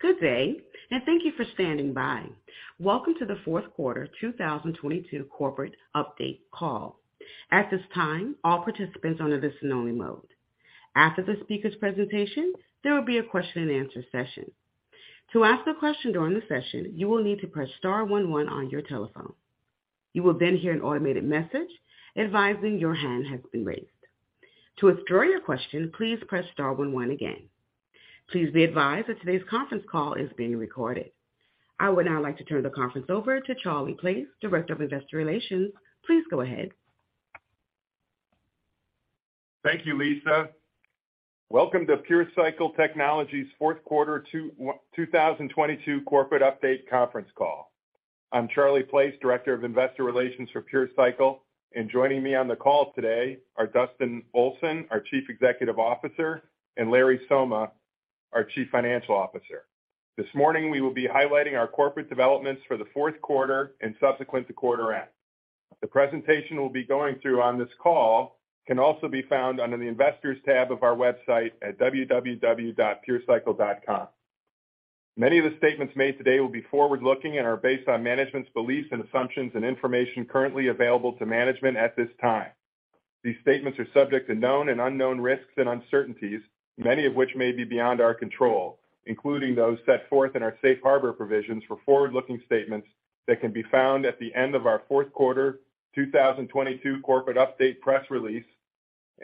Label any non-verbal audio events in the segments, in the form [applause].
Good day. Thank you for standing by. Welcome to the fourth quarter 2022 corporate update call. At this time, all participants on a listen only mode. After the speaker's presentation, there will be a question and answer session. To ask a question during the session, you will need to press star 11 on your telephone. You will hear an automated message advising your hand has been raised. To withdraw your question, please press star one one again. Please be advised that today's conference call is being recorded. I would now like to turn the conference over to Charlie Place, Director of Investor Relations. Please go ahead. Thank you, Lisa. Welcome to PureCycle Technologies fourth quarter 2022 corporate update conference call. I'm Charlie Place, Director of Investor Relations for PureCycle. Joining me on the call today are Dustin Olson, our Chief Executive Officer, and Larry Somma, our Chief Financial Officer. This morning we will be highlighting our corporate developments for the fourth quarter and subsequent to quarter end. The presentation we'll be going through on this call can also be found under the Investors tab of our website at www.purecycle.com. Many of the statements made today will be forward-looking and are based on management's beliefs and assumptions and information currently available to management at this time. These statements are subject to known and unknown risks and uncertainties, many of which may be beyond our control, including those set forth in our safe harbor provisions for forward-looking statements that can be found at the end of our fourth quarter 2022 corporate update press release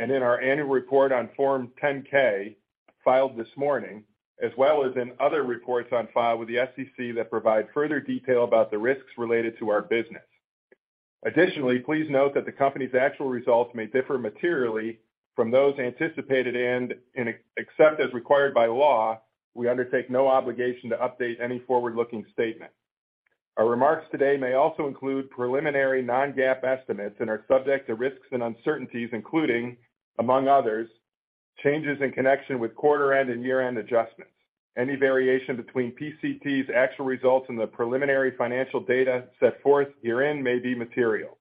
and in our annual report on Form 10-K filed this morning, as well as in other reports on file with the SEC that provide further detail about the risks related to our business. Additionally, please note that the company's actual results may differ materially from those anticipated and except as required by law, we undertake no obligation to update any forward-looking statement. Our remarks today may also include preliminary non-GAAP estimates and are subject to risks and uncertainties, including, among others, changes in connection with quarter end and year-end adjustments. Any variation between PCT's actual results and the preliminary financial data set forth herein may be material.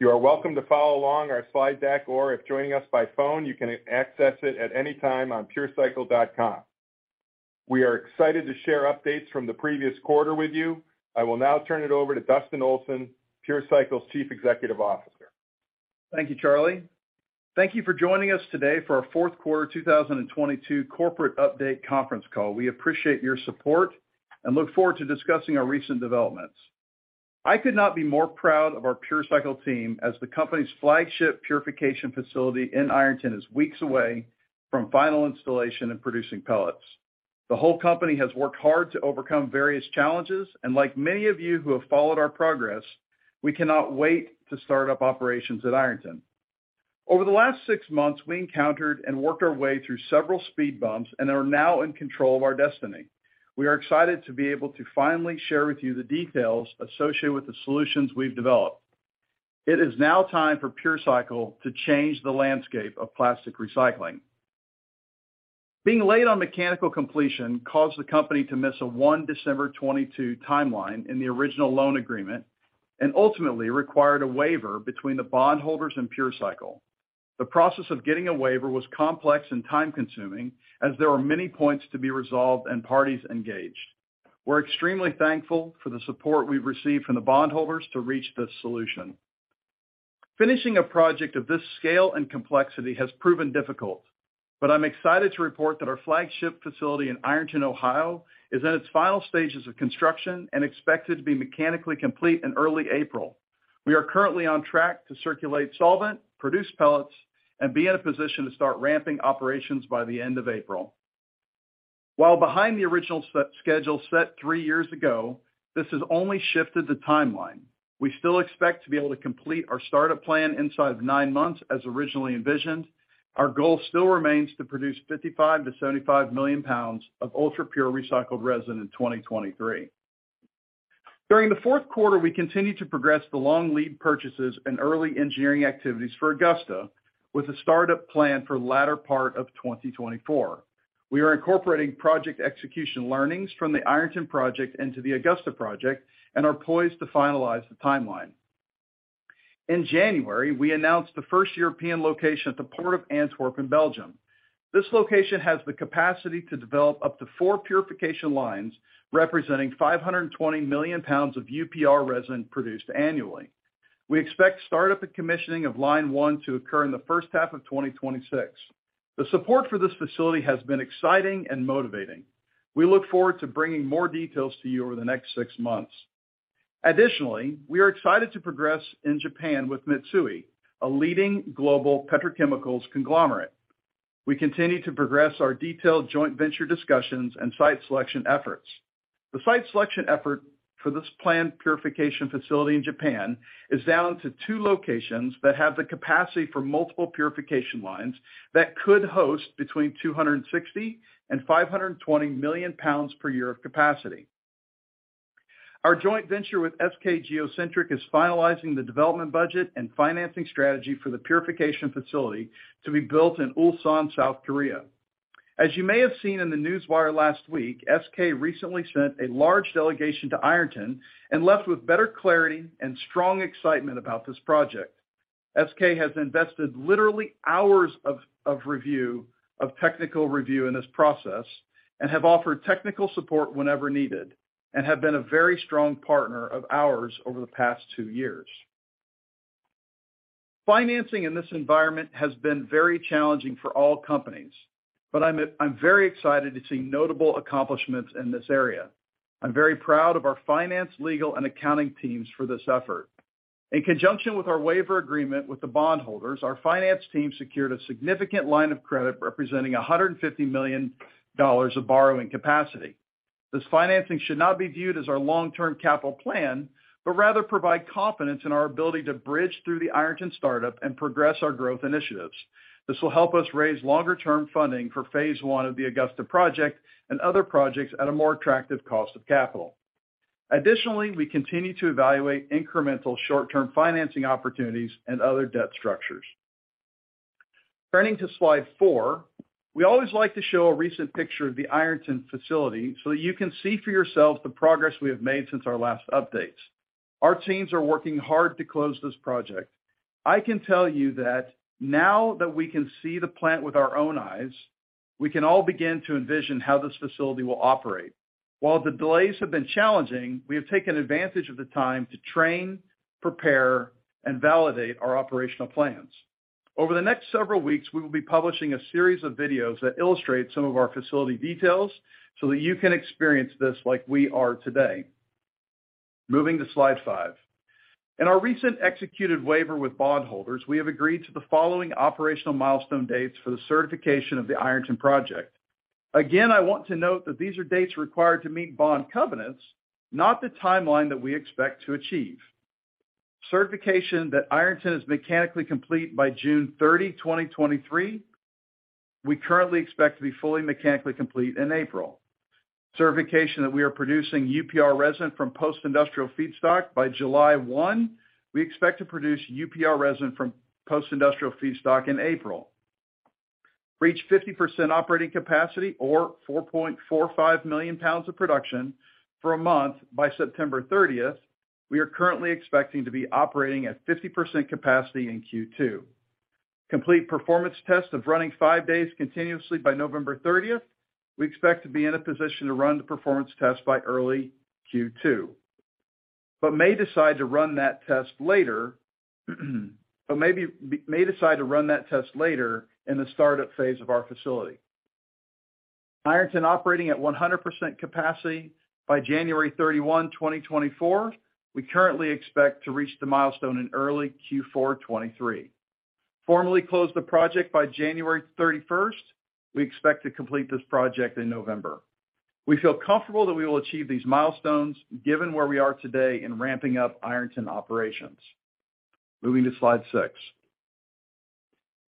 You are welcome to follow along our slide deck, or if joining us by phone, you can access it at any time on purecycle.com. We are excited to share updates from the previous quarter with you. I will now turn it over to Dustin Olson, PureCycle's Chief Executive Officer. Thank you, Charlie. Thank you for joining us today for our fourth quarter 2022 corporate update conference call. We appreciate your support and look forward to discussing our recent developments. I could not be more proud of our PureCycle team as the company's flagship purification facility in Ironton is weeks away from final installation and producing pellets. The whole company has worked hard to overcome various challenges, and like many of you who have followed our progress, we cannot wait to start up operations at Ironton. Over the last six months, we encountered and worked our way through several speed bumps and are now in control of our destiny. We are excited to be able to finally share with you the details associated with the solutions we've developed. It is now time for PureCycle to change the landscape of plastic recycling. Being late on mechanical completion caused the company to miss a 1 December 2022 timeline in the original loan agreement and ultimately required a waiver between the bondholders and PureCycle. The process of getting a waiver was complex and time-consuming, as there were many points to be resolved and parties engaged. We're extremely thankful for the support we've received from the bondholders to reach this solution. Finishing a project of this scale and complexity has proven difficult, but I'm excited to report that our flagship facility in Ironton, Ohio is in its final stages of construction and expected to be mechanically complete in early April. We are currently on track to circulate solvent, produce pellets, and be in a position to start ramping operations by the end of April. While behind the original schedule set three years ago, this has only shifted the timeline. We still expect to be able to complete our startup plan inside of nine months as originally envisioned. Our goal still remains to produce 55 million-75 million pounds of ultra-pure recycled resin in 2023. During the fourth quarter, we continued to progress the long lead purchases and early engineering activities for Augusta with a startup plan for latter part of 2024. We are incorporating project execution learnings from the Ironton project into the Augusta project and are poised to finalize the timeline. In January, we announced the first European location at the Port of Antwerp in Belgium. This location has the capacity to develop up to four purification lines representing 520 million pounds of UPR resin produced annually. We expect startup and commissioning of line one to occur in the first half of 2026. The support for this facility has been exciting and motivating. We look forward to bringing more details to you over the next six months. Additionally, we are excited to progress in Japan with Mitsui, a leading global petrochemicals conglomerate. We continue to progress our detailed joint venture discussions and site selection efforts. The site selection effort for this planned purification facility in Japan is down to two locations that have the capacity for multiple purification lines that could host between 260 and 520 million pounds per year of capacity. Our joint venture with SK Geo Centric is finalizing the development budget and financing strategy for the purification facility to be built in Ulsan, South Korea. As you may have seen in the Newswire last week, SK recently sent a large delegation to Ironton and left with better clarity and strong excitement about this project. SK has invested literally hours of technical review in this process and have offered technical support whenever needed, and have been a very strong partner of ours over the past two years. Financing in this environment has been very challenging for all companies, but I'm very excited to see notable accomplishments in this area. I'm very proud of our finance, legal, and accounting teams for this effort. In conjunction with our waiver agreement with the bondholders, our finance team secured a significant line of credit representing $150 million of borrowing capacity. This financing should not be viewed as our long-term capital plan, but rather provide confidence in our ability to bridge through the Ironton startup and progress our growth initiatives. This will help us raise longer-term funding for phase one of the Augusta project and other projects at a more attractive cost of capital. Additionally, we continue to evaluate incremental short-term financing opportunities and other debt structures. Turning to slide four. We always like to show a recent picture of the Ironton facility so that you can see for yourselves the progress we have made since our last update. Our teams are working hard to close this project. I can tell you that now that we can see the plant with our own eyes, we can all begin to envision how this facility will operate. While the delays have been challenging, we have taken advantage of the time to train, prepare, and validate our operational plans. Over the next several weeks, we will be publishing a series of videos that illustrate some of our facility details so that you can experience this like we are today. Moving to slide five. In our recent executed waiver with bondholders, we have agreed to the following operational milestone dates for the certification of the Ironton project. Again, I want to note that these are dates required to meet bond covenants, not the timeline that we expect to achieve. Certification that Ironton is mechanically complete by June 30, 2023. We currently expect to be fully mechanically complete in April. Certification that we are producing UPR resin from Post-Industrial feedstock by July 1. We expect to produce UPR resin from Post-Industrial feedstock in April. Reach 50% operating capacity or 4.45 million pounds of production for a month by September 30th. We are currently expecting to be operating at 50% capacity in Q2. Complete performance test of running five days continuously by November 30th. We expect to be in a position to run the performance test by early Q2, but may decide to run that test later in the startup phase of our facility. Ironton operating at 100% capacity by January 31, 2024. We currently expect to reach the milestone in early Q4 2023. Formally close the project by January 31st. We expect to complete this project in November. We feel comfortable that we will achieve these milestones given where we are today in ramping up Ironton operations. Moving to slide six.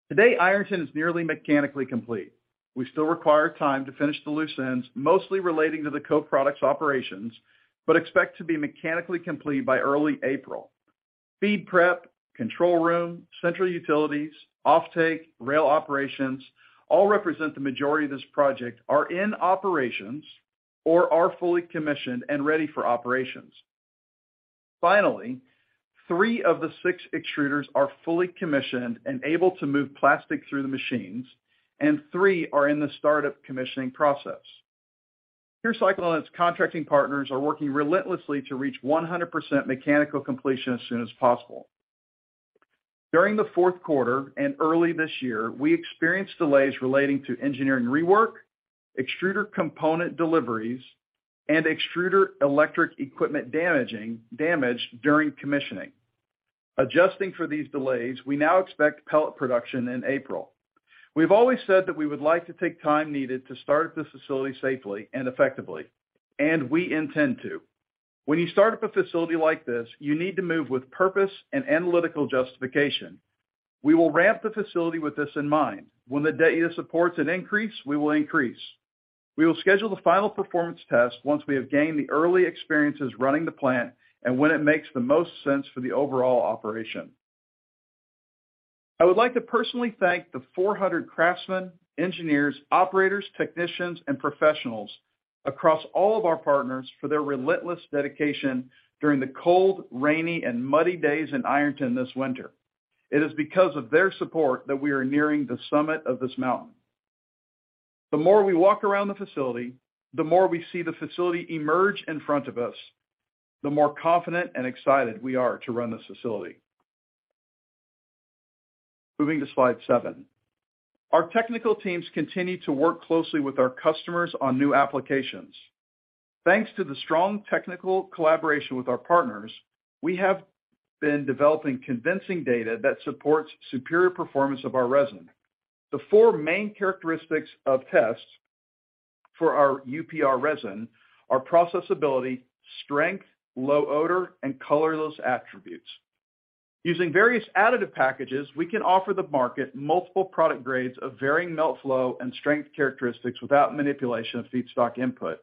Today, Ironton is nearly mechanically complete. We still require time to finish the loose ends, mostly relating to the co-products operations, but expect to be mechanically complete by early April. Feed prep, control room, central utilities, offtake, rail operations, all represent the majority of this project are in operations or are fully commissioned and ready for operations. Three of the six extruders are fully commissioned and able to move plastic through the machines, and three are in the startup commissioning process. PureCycle and its contracting partners are working relentlessly to reach 100% mechanical completion as soon as possible. During the fourth quarter and early this year, we experienced delays relating to engineering rework, extruder component deliveries, and extruder electric equipment damaged during commissioning. Adjusting for these delays, we now expect pellet production in April. We've always said that we would like to take time needed to start up this facility safely and effectively. We intend to. When you start up a facility like this, you need to move with purpose and analytical justification. We will ramp the facility with this in mind. When the data supports an increase, we will increase. We will schedule the final performance test once we have gained the early experiences running the plant and when it makes the most sense for the overall operation. I would like to personally thank the 400 craftsmen, engineers, operators, technicians, and professionals across all of our partners for their relentless dedication during the cold, rainy, and muddy days in Ironton this winter. It is because of their support that we are nearing the summit of this mountain. The more we walk around the facility, the more we see the facility emerge in front of us, the more confident and excited we are to run this facility. Moving to slide seven. Our technical teams continue to work closely with our customers on new applications. Thanks to the strong technical collaboration with our partners, we have been developing convincing data that supports superior performance of our resin. The four main characteristics of tests for our UPR resin are processability, strength, low odor, and colorless attributes. Using various additive packages, we can offer the market multiple product grades of varying melt flow and strength characteristics without manipulation of feedstock input.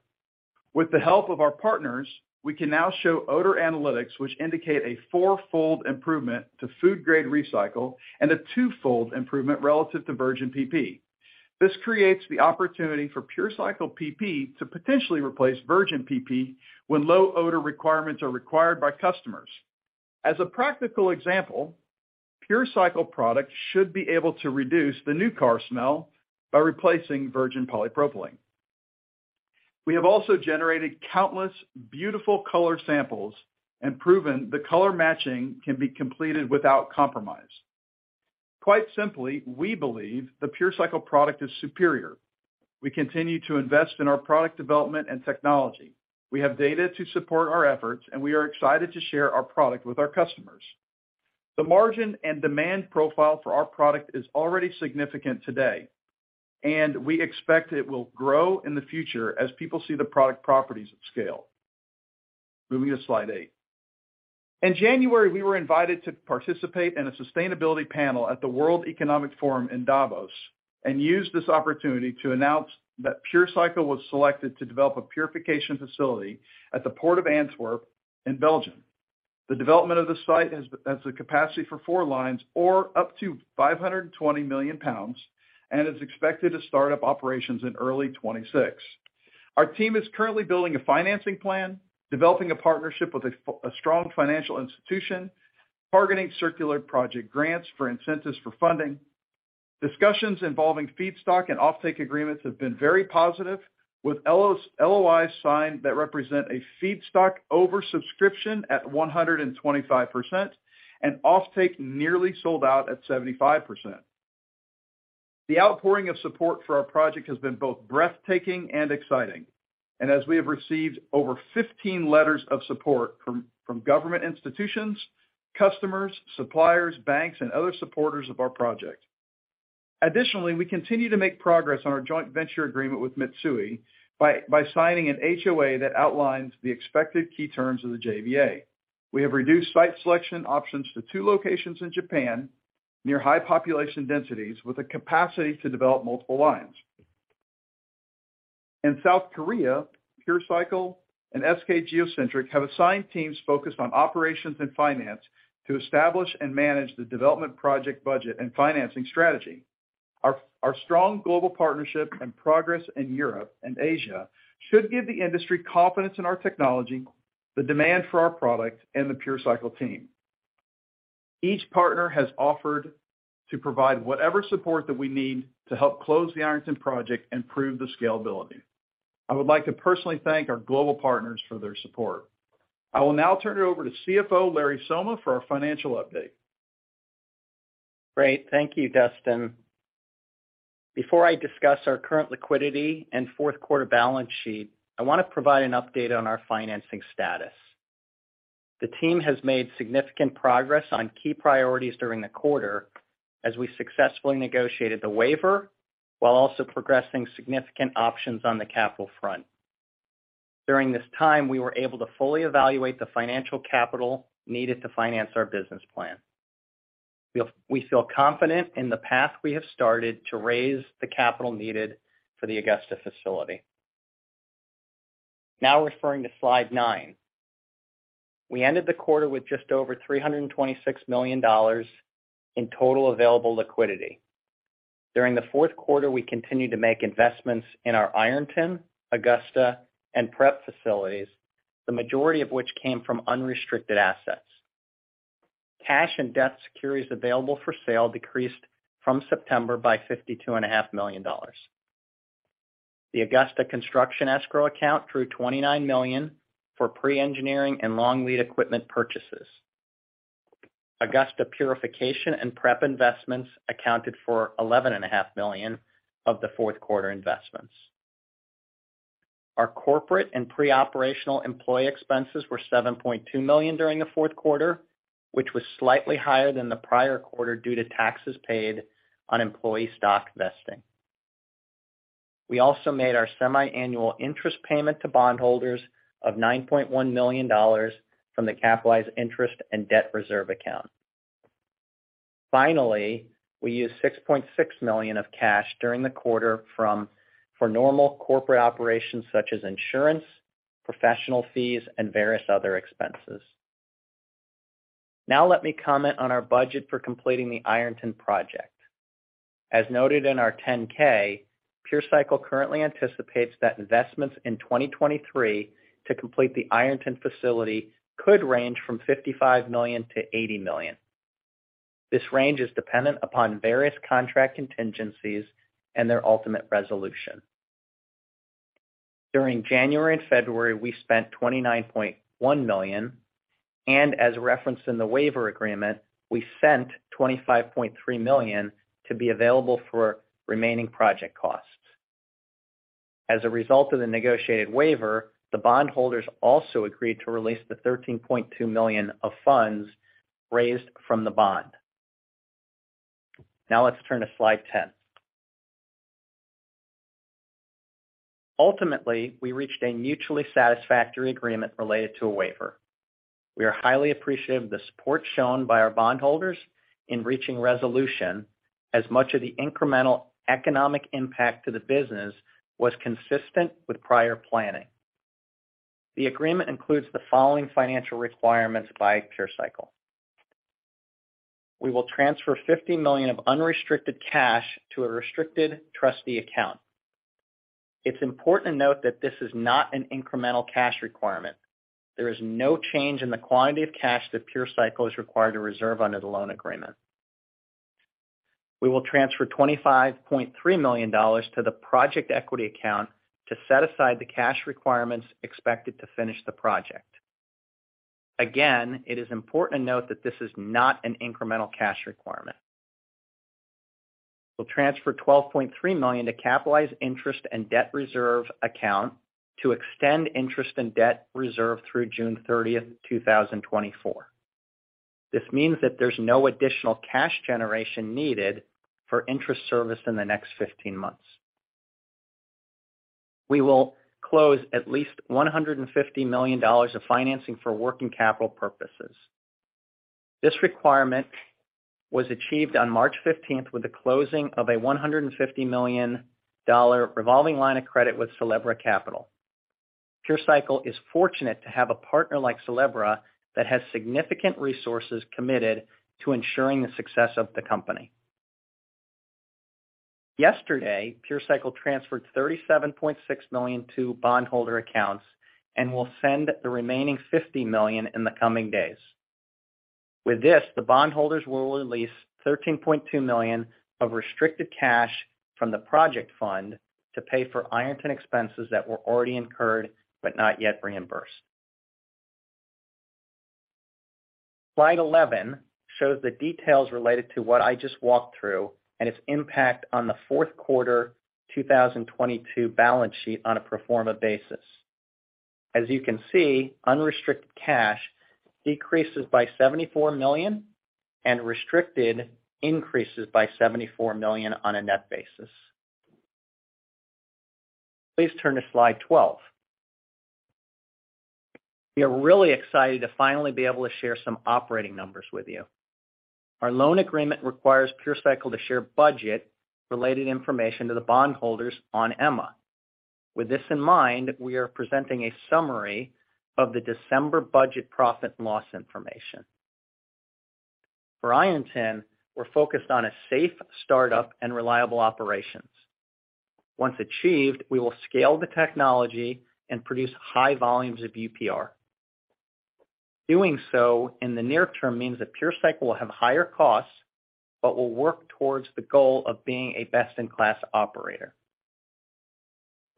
With the help of our partners, we can now show odor analytics, which indicate a 4-fold improvement to food grade recycle and a 2-fold improvement relative to virgin PP. This creates the opportunity for PureCycle PP to potentially replace virgin PP when low odor requirements are required by customers. As a practical example, PureCycle products should be able to reduce the new car smell by replacing virgin polypropylene. We have also generated countless beautiful color samples and proven the color matching can be completed without compromise. Quite simply, we believe the PureCycle product is superior. We continue to invest in our product development and technology. We have data to support our efforts, and we are excited to share our product with our customers. The margin and demand profile for our product is already significant today, and we expect it will grow in the future as people see the product properties at scale. Moving to slide eight. In January, we were invited to participate in a sustainability panel at the World Economic Forum in Davos and used this opportunity to announce that PureCycle was selected to develop a purification facility at the Port of Antwerp in Belgium. The development of the site has the capacity for four lines or up to 520 million pounds and is expected to start up operations in early 2026. Our team is currently building a financing plan, developing a partnership with a strong financial institution, targeting circular project grants for incentives for funding. Discussions involving feedstock and offtake agreements have been very positive, with LOIs signed that represent a feedstock over-subscription at 125% and offtake nearly sold out at 75%. The outpouring of support for our project has been both breathtaking and exciting. As we have received over 15 letters of support from government institutions, customers, suppliers, banks, and other supporters of our project. Additionally, we continue to make progress on our joint venture agreement with Mitsui by signing an HOA that outlines the expected key terms of the JVA. We have reduced site selection options to two locations in Japan, near high population densities, with a capacity to develop multiple lines. In South Korea, PureCycle and SK Geo Centric have assigned teams focused on operations and finance to establish and manage the development project budget and financing strategy. Our strong global partnership and progress in Europe and Asia should give the industry confidence in our technology, the demand for our product, and the PureCycle team. Each partner has offered to provide whatever support that we need to help close the Ironton project and prove the scalability. I would like to personally thank our global partners for their support. I will now turn it over to CFO Larry Somma for our financial update. Great. Thank you, Dustin. Before I discuss our current liquidity and fourth quarter balance sheet, I want to provide an update on our financing status. The team has made significant progress on key priorities during the quarter as we successfully negotiated the waiver while also progressing significant options on the capital front. During this time, we were able to fully evaluate the financial capital needed to finance our business plan. We feel confident in the path we have started to raise the capital needed for the Augusta facility. Now referring to slide nine. We ended the quarter with just over $326 million in total available liquidity. During the fourth quarter, we continued to make investments in our Ironton, Augusta, and prep facilities, the majority of which came from unrestricted assets. Cash and Debt Securities available for sale decreased from September by $52.5 million. The Augusta construction escrow account drew $29 million for pre-engineering and long lead equipment purchases. Augusta purification and prep investments accounted for $11.5 million of the fourth quarter investments. Our corporate and pre-operational employee expenses were $7.2 million during the fourth quarter, which was slightly higher than the prior quarter due to taxes paid on employee stock vesting. We also made our semi-annual interest payment to bondholders of $9.1 million from the capitalized interest and Debt Reserve Account. Finally, we used $6.6 million of cash during the quarter for normal corporate operations such as insurance, professional fees, and various other expenses. Now let me comment on our budget for completing the Ironton project. As noted in our 10-K, PureCycle currently anticipates that investments in 2023 to complete the Ironton facility could range from $55 million-$80 million. This range is dependent upon various contract contingencies and their ultimate resolution. During January and February, we spent $29.1 million, and as referenced in the waiver agreement, we sent $25.3 million to be available for remaining project costs. As a result of the negotiated waiver, the bondholders also agreed to release the $13.2 million of funds raised from the bond. Let's turn to slide 10. Ultimately, we reached a mutually satisfactory agreement related to a waiver. We are highly appreciative of the support shown by our bondholders in reaching resolution, as much of the incremental economic impact to the business was consistent with prior planning. The agreement includes the following financial requirements by PureCycle. We will transfer $50 million of unrestricted cash to a restricted trustee account. It's important to note that this is not an incremental cash requirement. There is no change in the quantity of cash that PureCycle is required to reserve under the loan agreement. We will transfer $25.3 million to the project equity account to set aside the cash requirements expected to finish the project. Again, it is important to note that this is not an incremental cash requirement. We'll transfer $12.3 million to capitalize interest and Debt Reserve Account to extend interest and debt reserve through June 30, 2024. This means that there's no additional cash generation needed for interest service in the next 15 months. We will close at least $150 million of financing for working capital purposes. This requirement was achieved on March 15th with the closing of a $150 million revolving line of credit with Sylebra Capital. PureCycle is fortunate to have a partner like Sylebra that has significant resources committed to ensuring the success of the company. Yesterday, PureCycle transferred $37.6 million to bondholder accounts and will send the remaining $50 million in the coming days. With this, the bondholders will release $13.2 million of restricted cash from the project fund to pay for Ironton expenses that were already incurred but not yet reimbursed. Slide 11 shows the details related to what I just walked through and its impact on the fourth quarter 2022 balance sheet on a pro forma basis. As you can see, unrestricted cash decreases by $74 million and restricted increases by $74 million on a net basis. Please turn to slide 12. We are really excited to finally be able to share some operating numbers with you. Our loan agreement requires PureCycle to share budget-related information to the bondholders on EMMA. With this in mind, we are presenting a summary of the December budget profit and loss information. For Ironton, we're focused on a safe startup and reliable operations. Once achieved, we will scale the technology and produce high volumes of UPR. Doing so in the near term means that PureCycle will have higher costs but will work towards the goal of being a best-in-class operator.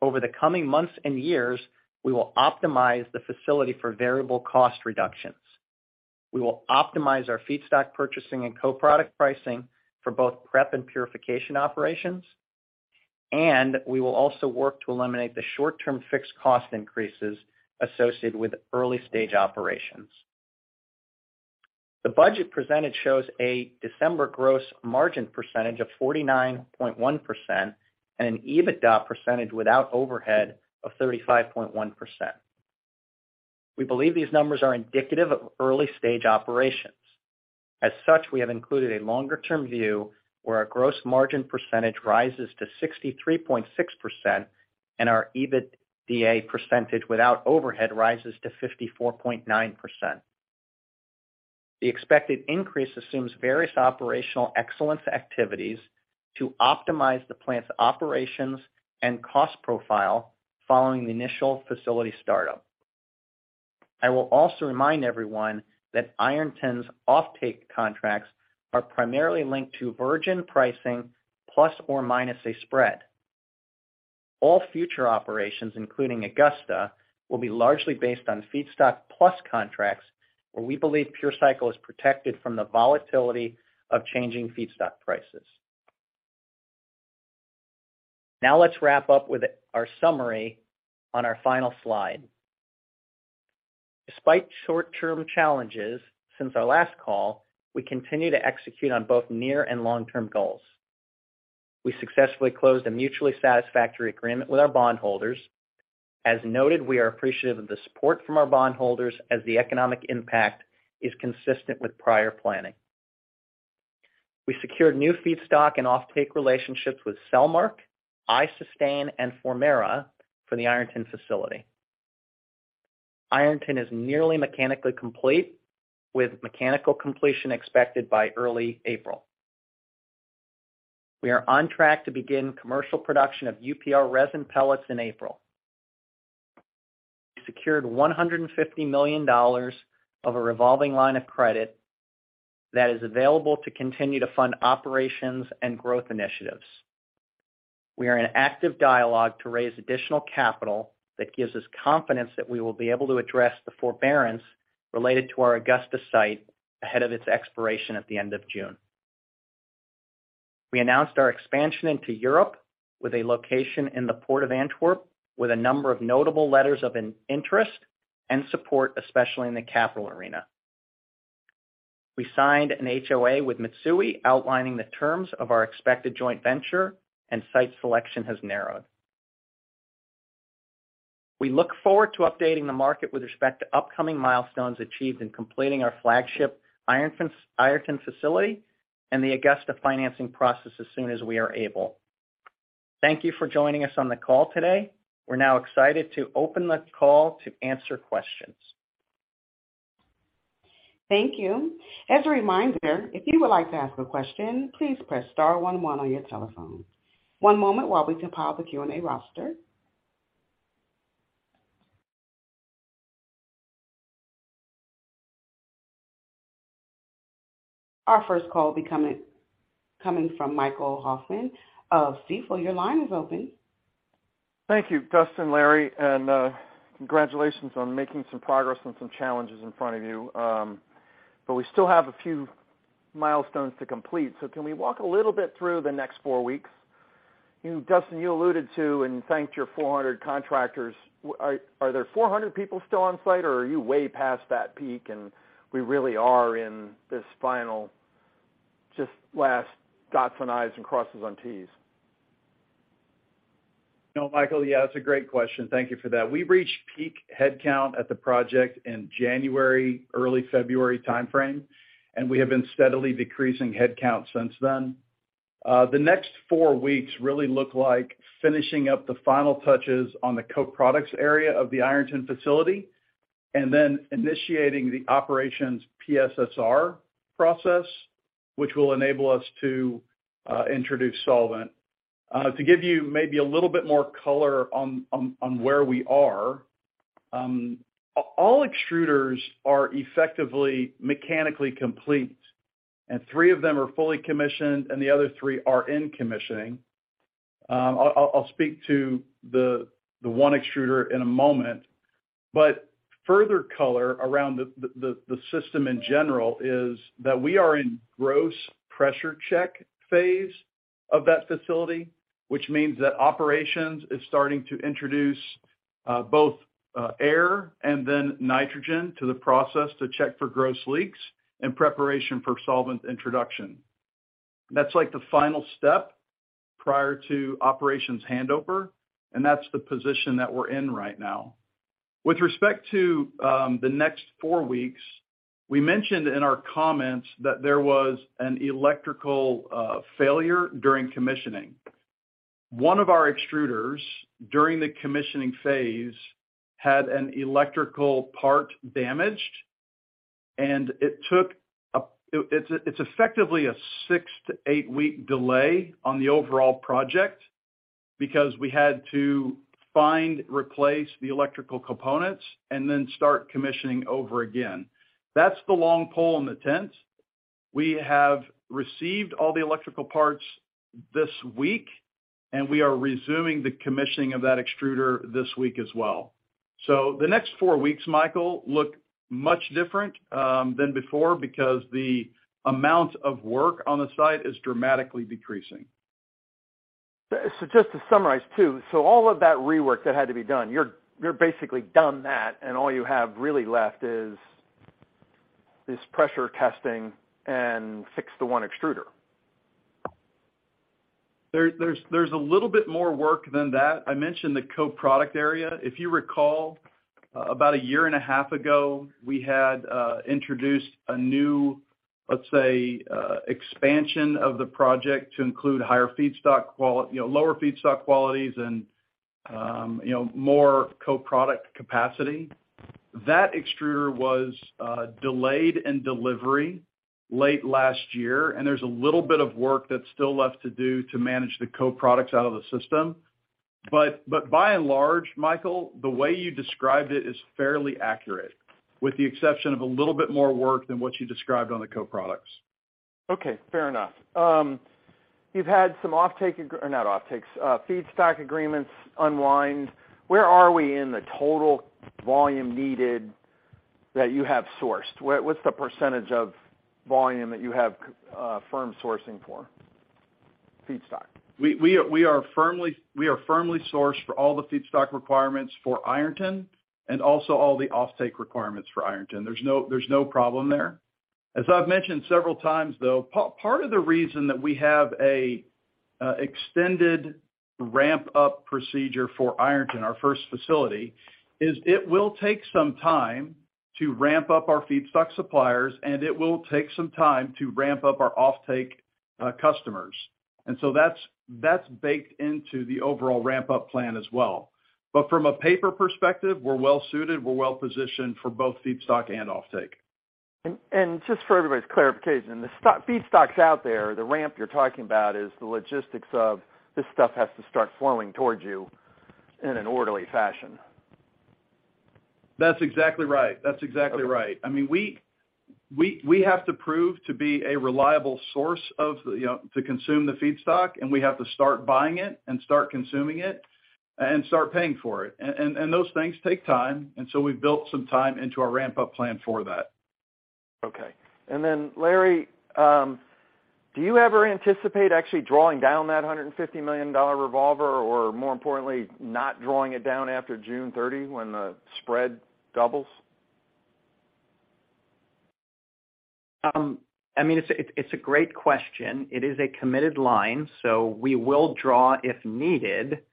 Over the coming months and years, we will optimize the facility for variable cost reductions. We will optimize our feedstock purchasing and co-product pricing for both prep and purification operations. We will also work to eliminate the short-term fixed cost increases associated with early-stage operations. The budget presented shows a December gross margin percentage of 49.1% and an EBITDA percentage without overhead of 35.1%. We believe these numbers are indicative of early-stage operations. As such, we have included a longer-term view where our gross margin percentage rises to 63.6% and our EBITDA percentage without overhead rises to 54.9%. The expected increase assumes various operational excellence activities to optimize the plant's operations and cost profile following the initial facility startup. I will also remind everyone that Ironton's offtake contracts are primarily linked to virgin pricing plus or minus a spread. All future operations, including Augusta, will be largely based on feedstock plus contracts where we believe PureCycle is protected from the volatility of changing feedstock prices. Let's wrap up with our summary on our final slide. Despite short-term challenges since our last call, we continue to execute on both near and long-term goals. We successfully closed a mutually satisfactory agreement with our bondholders. As noted, we are appreciative of the support from our bondholders as the economic impact is consistent with prior planning. We secured new feedstock and offtake relationships with CellMark, iSustain, and Formerra for the Ironton facility. Ironton is nearly mechanically complete with mechanical completion expected by early April. We are on track to begin commercial production of UPR resin pellets in April. We secured $150 million of a revolving line of credit that is available to continue to fund operations and growth initiatives. We are in active dialogue to raise additional capital that gives us confidence that we will be able to address the forbearance related to our Augusta site ahead of its expiration at the end of June. We announced our expansion into Europe with a location in the Port of Antwerp with a number of notable letters of interest and support, especially in the capital arena. We signed an HOA with Mitsui outlining the terms of our expected joint venture. Site selection has narrowed. We look forward to updating the market with respect to upcoming milestones achieved in completing our flagship Ironton facility and the Augusta financing process as soon as we are able. Thank you for joining us on the call today. We're now excited to open the call to answer questions. Thank you. As a reminder, if you would like to ask a question, please press star one one on your telephone. One moment while we compile the Q&A roster. Our first call coming from Michael Hoffman of Stifel. Your line is open. Thank you, Dustin, Larry, and congratulations on making some progress on some challenges in front of you. We still have a few milestones to complete. Can we walk a little bit through the next four weeks? Dustin, you alluded to and thanked your 400 contractors. Are there 400 people still on site, or are you way past that peak, and we really are in this final, just last dots in i's and crosses on t's? No, Michael. Yeah, that's a great question. Thank you for that. We reached peak headcount at the project in January, early February timeframe, and we have been steadily decreasing headcount since then. The next four weeks really look like finishing up the final touches on the co-products area of the Ironton facility and then initiating the operations PSSR process, which will enable us to introduce solvent. To give you maybe a little bit more color on where we are, all extruders are effectively mechanically complete, and three of them are fully commissioned, and the other three are in commissioning. I'll speak to the one extruder in a moment. Further color around the system in general is that we are in gross pressure check phase of that facility, which means that operations is starting to introduce both air and then nitrogen to the process to check for gross leaks in preparation for solvent introduction. That's like the final step prior to operations handover, and that's the position that we're in right now. With respect to the next four weeks, we mentioned in our comments that there was an electrical failure during commissioning. One of our extruders during the commissioning phase had an electrical part damaged, It's effectively a 6-to-8-week delay on the overall project because we had to find, replace the electrical components and then start commissioning over again. That's the long pole in the tent. We have received all the electrical parts this week, and we are resuming the commissioning of that extruder this week as well. The next four weeks, Michael, look much different than before because the amount of work on the site is dramatically decreasing. Just to summarize too, so all of that rework that had to be done, you're basically done that and all you have really left is pressure testing and fix the one extruder. There's a little bit more work than that. I mentioned the co-product area. If you recall, about a year and a half ago, we had introduced a new, let's say, expansion of the project to include higher feedstock qualities, you know, lower feedstock qualities and, you know, more co-product capacity. That extruder was delayed in delivery late last year. There's a little bit of work that's still left to do to manage the co-products out of the system. By and large, Michael, the way you described it is fairly accurate, with the exception of a little bit more work than what you described on the co-products. Okay, fair enough. You've had some offtake Or not offtakes, feedstock agreements unwind. Where are we in the total volume needed that you have sourced? What, what's the percentage of volume that you have firm sourcing for feedstock? We are firmly sourced for all the feedstock requirements for Ironton and also all the offtake requirements for Ironton. There's no, there's no problem there. As I've mentioned several times though, part of the reason that we have an extended ramp-up procedure for Ironton, our first facility, is it will take some time to ramp up our feedstock suppliers, and it will take some time to ramp up our offtake customers. That's, that's baked into the overall ramp-up plan as well. From a paper perspective, we're well suited, we're well positioned for both feedstock and offtake. Just for everybody's clarification, the feedstock's out there. The ramp you're talking about is the logistics of this stuff has to start flowing towards you in an orderly fashion. That's exactly right. I mean, we have to prove to be a reliable source of, you know, to consume the feedstock, and we have to start buying it and start consuming it and start paying for it. Those things take time, and so we've built some time into our ramp-up plan for that. Okay. Larry, do you ever anticipate actually drawing down that $150 million revolver, or more importantly, not drawing it down after June 30 when the spread doubles? I mean, it's, it's a great question. It is a committed line, so we will draw if needed. It's,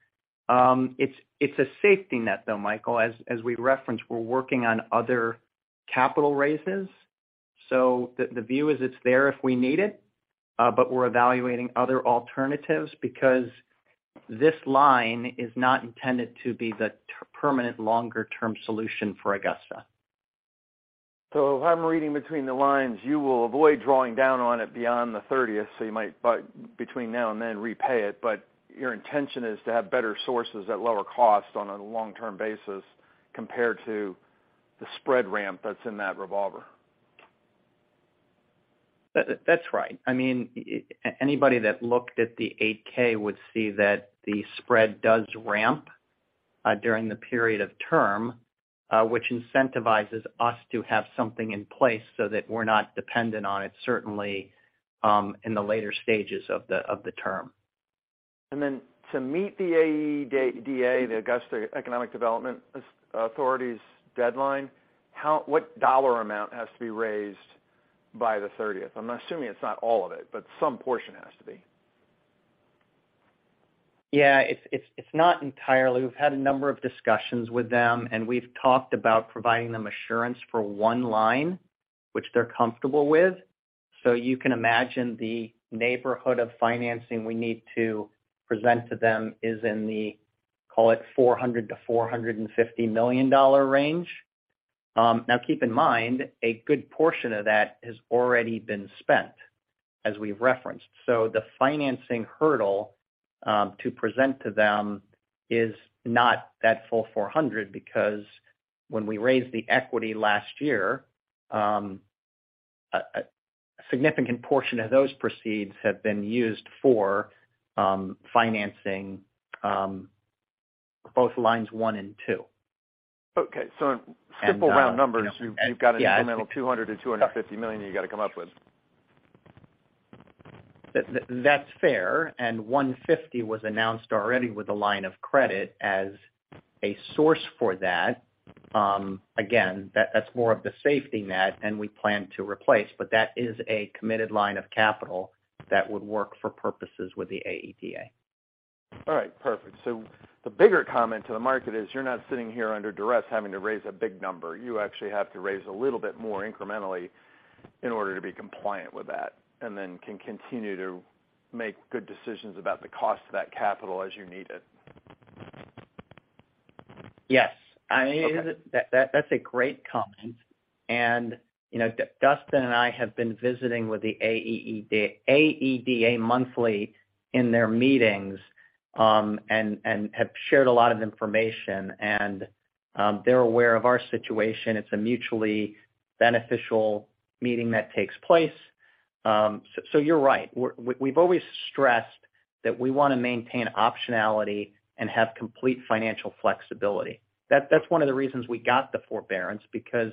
it's a safety net though, Michael. As we referenced, we're working on other capital raises. The view is it's there if we need it, but we're evaluating other alternatives because this line is not intended to be the permanent longer-term solution for Augusta. If I'm reading between the lines, you will avoid drawing down on it beyond the 30th. You might, by between now and then repay it. Your intention is to have better sources at lower cost on a long-term basis compared to the spread ramp that's in that revolver. That's right. I mean, anybody that looked at the 8-K would see that the spread does ramp during the period of term, which incentivizes us to have something in place so that we're not dependent on it, certainly, in the later stages of the term. To meet the AEDA, the Augusta Economic Development Authority's deadline, what dollar amount has to be raised by the 30th? I'm assuming it's not all of it, but some portion has to be. Yeah. It's not entirely. We've had a number of discussions with them. We've talked about providing them assurance for one line, which they're comfortable with. You can imagine the neighborhood of financing we need to present to them is in the, call it $400 million-$450 million range. Now keep in mind, a good portion of that has already been spent, as we've referenced. The financing hurdle to present to them is not that full $400 million because when we raised the equity last year, a significant portion of those proceeds have been used for financing both lines 1 and 2. Okay. simple round numbers- You know. Yeah. You've got an incremental $200 million-$250 million you gotta come up with. That's fair. $150 was announced already with a line of credit as a source for that. Again, that's more of the safety net, and we plan to replace, but that is a committed line of capital that would work for purposes with the AEDA. All right. Perfect. The bigger comment to the market is you're not sitting here under duress having to raise a big number. You actually have to raise a little bit more incrementally in order to be compliant with that, and then can continue to make good decisions about the cost of that capital as you need it. Yes. I mean Okay. That's a great comment. you know, Dustin and I have been visiting with the AEDA monthly in their meetings, and have shared a lot of information and, they're aware of our situation. It's a mutually beneficial meeting that takes place. You're right. We've always stressed that we wanna maintain optionality and have complete financial flexibility. That's one of the reasons we got the forbearance because,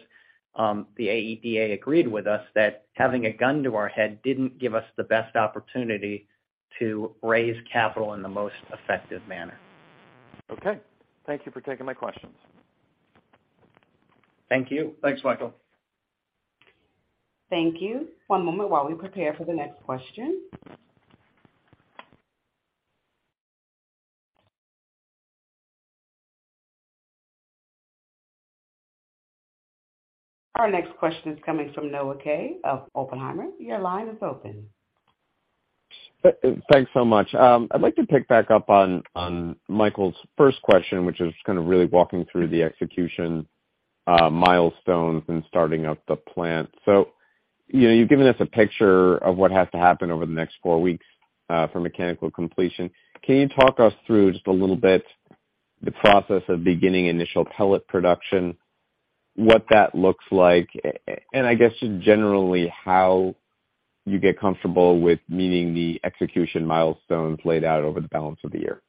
the AEDA agreed with us that having a gun to our head didn't give us the best opportunity to raise capital in the most effective manner. Okay. Thank you for taking my questions. Thank you. Thanks, Michael. Thank you. One moment while we prepare for the next question. Our next question is coming from Noah Kaye of Oppenheimer. Your line is open. Thanks so much. I'd like to pick back up on Michael's first question, which is kind of really walking through the execution milestones and starting up the plant. You know, you've given us a picture of what has to happen over the next four weeks for mechanical completion. Can you talk us through just a little bit the process of beginning initial pellet production, what that looks like, and I guess just generally how you get comfortable with meeting the execution milestones laid out over the balance of the year?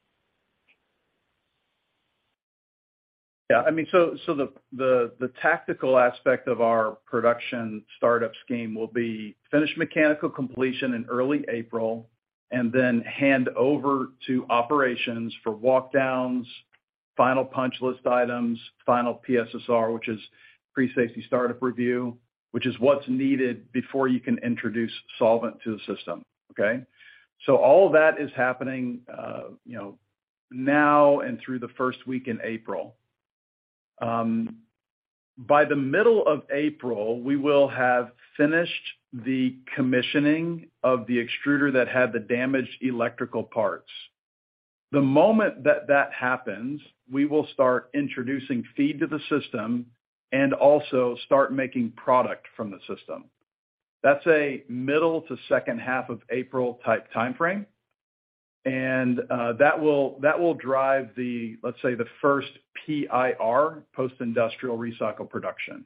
I mean, the tactical aspect of our production startup scheme will be finish mechanical completion in early April and then hand over to operations for walk downs, final punch list items, final PSSR, which is Pre-Startup Safety Review, which is what's needed before you can introduce solvent to the system. Okay? All that is happening, you know, now and through the first week in April. By the middle of April, we will have finished the commissioning of the extruder that had the damaged electrical parts. The moment that that happens, we will start introducing feed to the system and also start making product from the system. That's a middle to second half of April type timeframe. That will drive the, let's say, the first PIR, Post-Industrial Recycled production.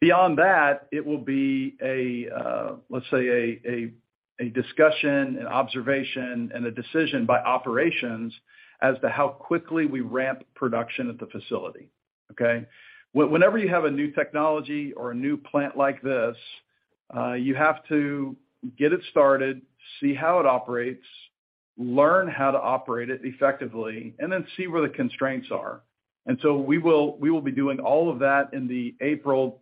Beyond that, it will be a, let's say a discussion, an observation, and a decision by operations as to how quickly we ramp production at the facility. Okay? Whenever you have a new technology or a new plant like this, you have to get it started, see how it operates, learn how to operate it effectively, and then see where the constraints are. We will be doing all of that in the April,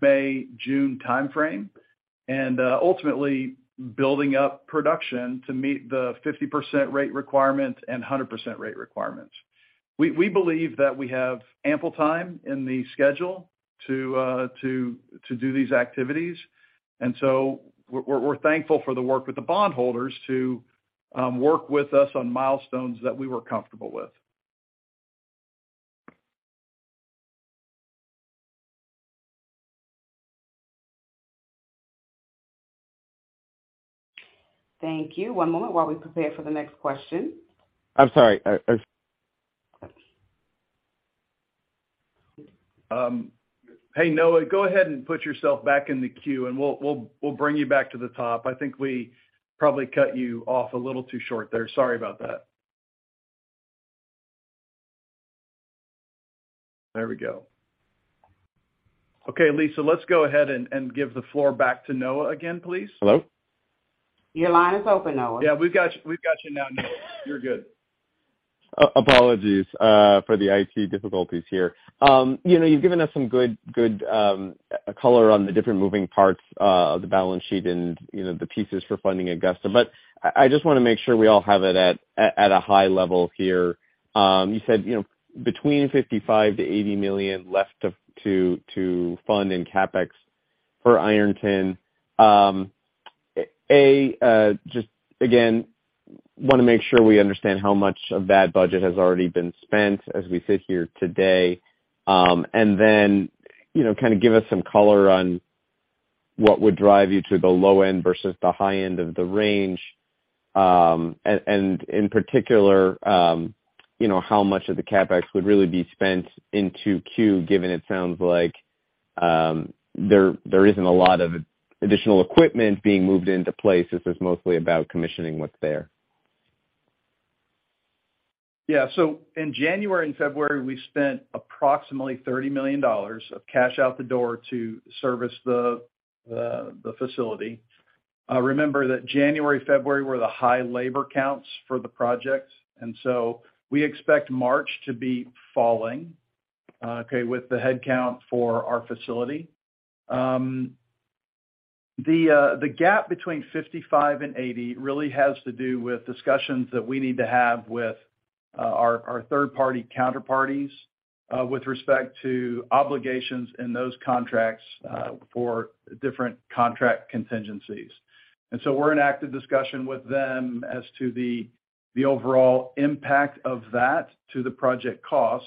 May, June timeframe. Ultimately building up production to meet the 50% rate requirement and 100% rate requirements. We believe that we have ample time in the schedule to do these activities. We're thankful for the work with the bondholders to work with us on milestones that we were comfortable with. Thank you. One moment while we prepare for the next question. I'm sorry. Hey, Noah, go ahead and put yourself back in the queue, and we'll bring you back to the top. I think we probably cut you off a little too short there. Sorry about that. There we go. Lisa, let's go ahead and give the floor back to Noah again, please. Hello? Your line is open, Noah. We've got you now, Noah. You're good. Apologies for the IT difficulties here. You know, you've given us some good color on the different moving parts of the balance sheet and, you know, the pieces for funding Augusta. I just wanna make sure we all have it at a high level here. You said, you know, between $55 million-$80 million left to fund in CapEx for Ironton. Just again, wanna make sure we understand how much of that budget has already been spent as we sit here today. Then, you know, kind of give us some color on what would drive you to the low end versus the high end of the range. In particular, you know, how much of the CapEx would really be spent in Q2, given it sounds like, there isn't a lot of additional equipment being moved into place. This is mostly about commissioning what's there. Yeah. In January and February, we spent approximately $30 million of cash out the door to service the facility. Remember that January, February were the high labor counts for the project, we expect March to be falling okay with the head count for our facility. The gap between $55 and $80 really has to do with discussions that we need to have with our third party counterparties with respect to obligations in those contracts for different contract contingencies. We're in active discussion with them as to the overall impact of that to the project cost.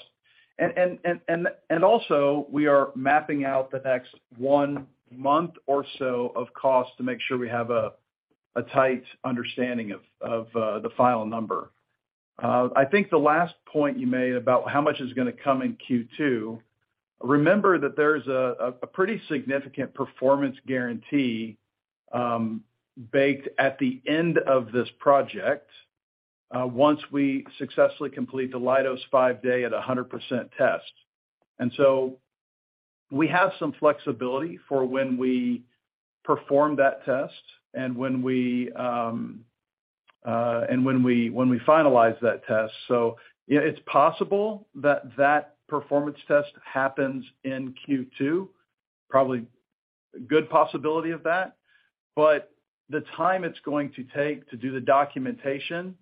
Also, we are mapping out the next 1 month or so of cost to make sure we have a tight understanding of the final number. I think the last point you made about how much is gonna come in Q2, remember that there's a pretty significant performance guarantee baked at the end of this project once we successfully complete the Leidos five-day at a 100% test. We have some flexibility for when we perform that test and when we finalize that test. It's possible that that performance test happens in Q2, probably a good possibility of that. The time it's going to take to do the documentation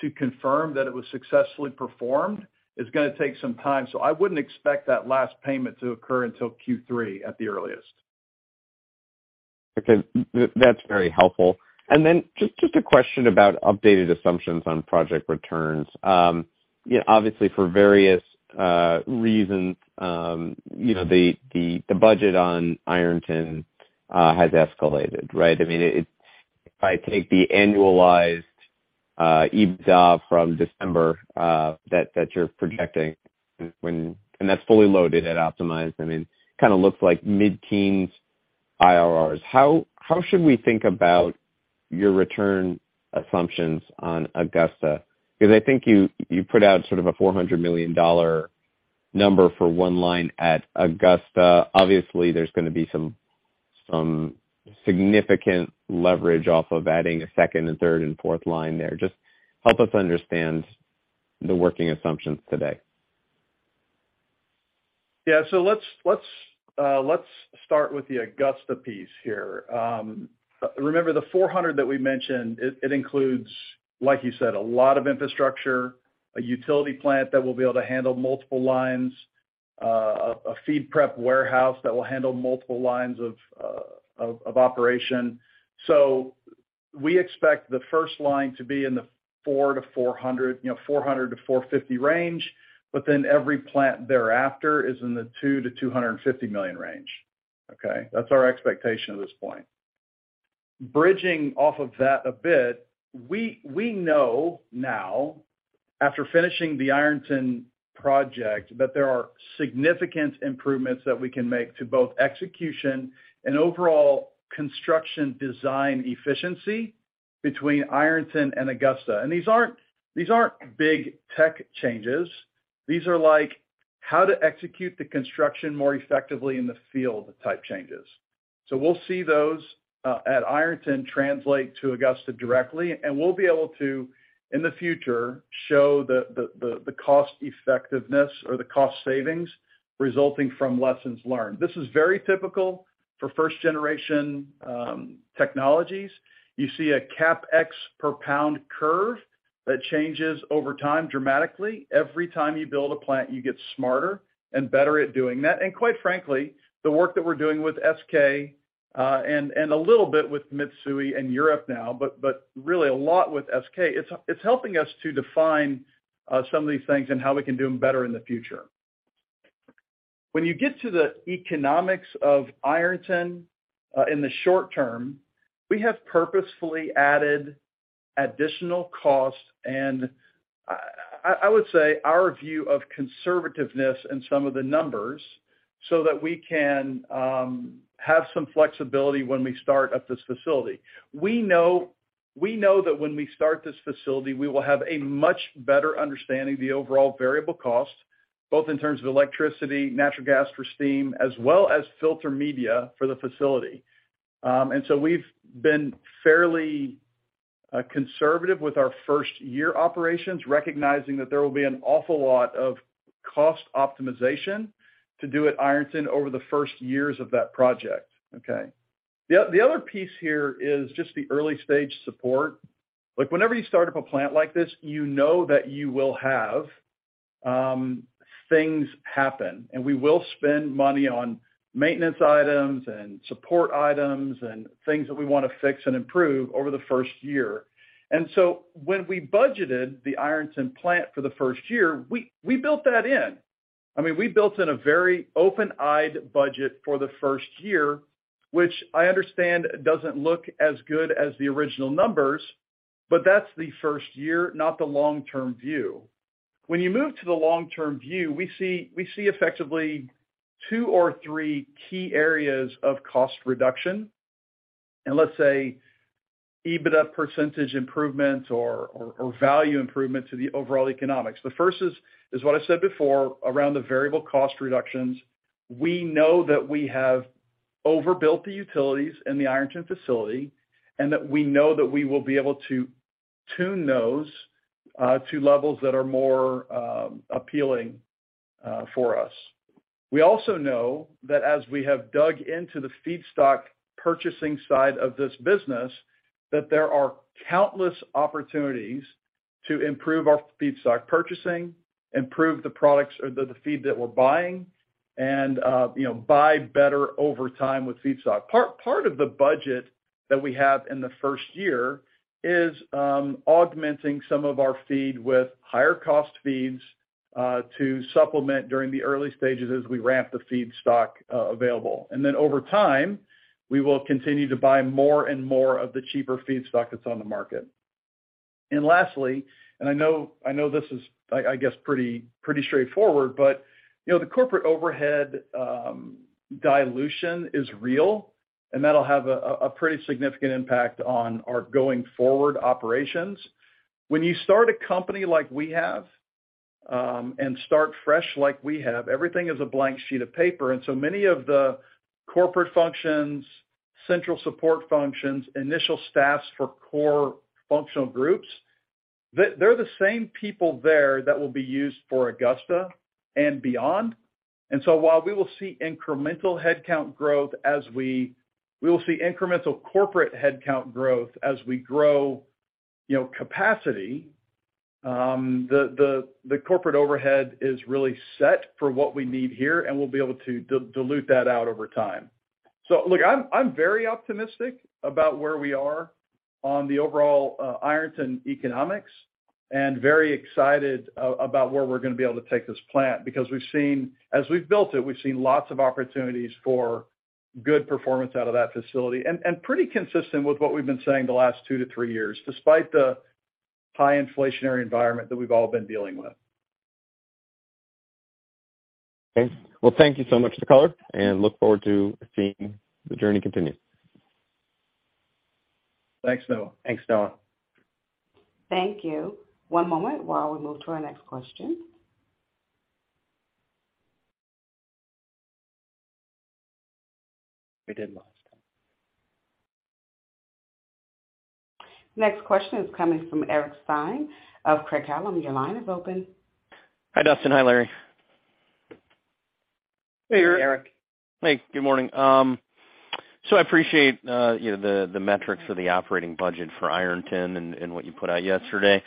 to confirm that it was successfully performed is gonna take some time. I wouldn't expect that last payment to occur until Q3 at the earliest. Okay. That's very helpful. Then just a question about updated assumptions on project returns. you know, obviously for various reasons, you know, the budget on Ironton has escalated, right? I mean, if I take the annualized EBITDA from December, that you're projecting when... That's fully loaded at optimized, I mean, kind of looks like mid-teens IRRs. How should we think about your return assumptions on Augusta? Because I think you put out sort of a $400 million number for one line at Augusta. Obviously, there's gonna be some significant leverage off of adding a second and third and fourth line there. Just help us understand the working assumptions today. Yeah. Let's, let's start with the Augusta piece here. Remember the 400 that we mentioned, it includes, like you said, a lot of infrastructure, a utility plant that will be able to handle multiple lines, a feed prep warehouse that will handle multiple lines of operation. We expect the first line to be in the 400, you know, $400-$450 million range, but then every plant thereafter is in the $200-$250 million range. Okay? That's our expectation at this point. Bridging off of that a bit, we know now after finishing the Ironton project, that there are significant improvements that we can make to both execution and overall construction design efficiency between Ironton and Augusta. These aren't big tech changes. These are like how to execute the construction more effectively in the field type changes. We'll see those at Ironton translate to Augusta directly, and we'll be able to, in the future, show the cost effectiveness or the cost savings resulting from lessons learned. This is very typical for first generation technologies. You see a CapEx per pound curve. That changes over time dramatically. Every time you build a plant, you get smarter and better at doing that. Quite frankly, the work that we're doing with SK, and a little bit with Mitsui in Europe now, but really a lot with SK, it's helping us to define some of these things and how we can do them better in the future. When you get to the economics of Ironton, in the short term, we have purposefully added additional costs and I would say our view of conservativeness in some of the numbers so that we can have some flexibility when we start up this facility. We know that when we start this facility, we will have a much better understanding of the overall variable cost, both in terms of electricity, natural gas for steam, as well as filter media for the facility. We've been fairly conservative with our first-year operations, recognizing that there will be an awful lot of cost optimization to do at Ironton over the first years of that project. Okay? The other piece here is just the early-stage support. Like, whenever you start up a plant like this, you know that you will have things happen, and we will spend money on maintenance items and support items and things that we wanna fix and improve over the first year. When we budgeted the Ironton plant for the first year, we built that in. I mean, we built in a very open-eyed budget for the first year, which I understand doesn't look as good as the original numbers, but that's the first year, not the long-term view. When you move to the long-term view, we see effectively two or three key areas of cost reduction, and let's say EBITDA percentage improvement or value improvement to the overall economics. The first is what I said before, around the variable cost reductions. We know that we have overbuilt the utilities in the Ironton facility, we know that we will be able to tune those to levels that are more appealing for us. We also know that as we have dug into the feedstock purchasing side of this business, that there are countless opportunities to improve our feedstock purchasing, improve the products or the feed that we're buying, you know, buy better over time with feedstock. Part of the budget that we have in the first year is augmenting some of our feed with higher cost feeds to supplement during the early stages as we ramp the feedstock available. Over time, we will continue to buy more and more of the cheaper feedstock that's on the market. Lastly, and I know this is, I guess pretty straightforward, but, you know, the corporate overhead dilution is real, and that'll have a pretty significant impact on our going forward operations. When you start a company like we have, and start fresh like we have, everything is a blank sheet of paper, and so many of the corporate functions, central support functions, initial staffs for core functional groups, they're the same people there that will be used for Augusta and beyond. While we will see incremental headcount growth as we. We will see incremental corporate headcount growth as we grow, you know, capacity, the corporate overhead is really set for what we need here, and we'll be able to dilute that out over time. look, I'm very optimistic about where we are on the overall, Ironton economics and very excited about where we're gonna be able to take this plant because as we've built it, we've seen lots of opportunities for good performance out of that facility, and pretty consistent with what we've been saying the last two to three years, despite the high inflationary environment that we've all been dealing with. Okay. Well, thank you so much, [audio distortion] and look forward to seeing the journey continue. Thanks, Noah. Thanks, Noah. Thank you. One moment while we move to our next question. We did last time. Next question is coming from Eric Stine of Craig-Hallum. Your line is open. Hi, Dustin. Hi, Larry. Hey, Eric. Hey, good morning. I appreciate, you know, the metrics of the operating budget for Ironton and what you put out yesterday.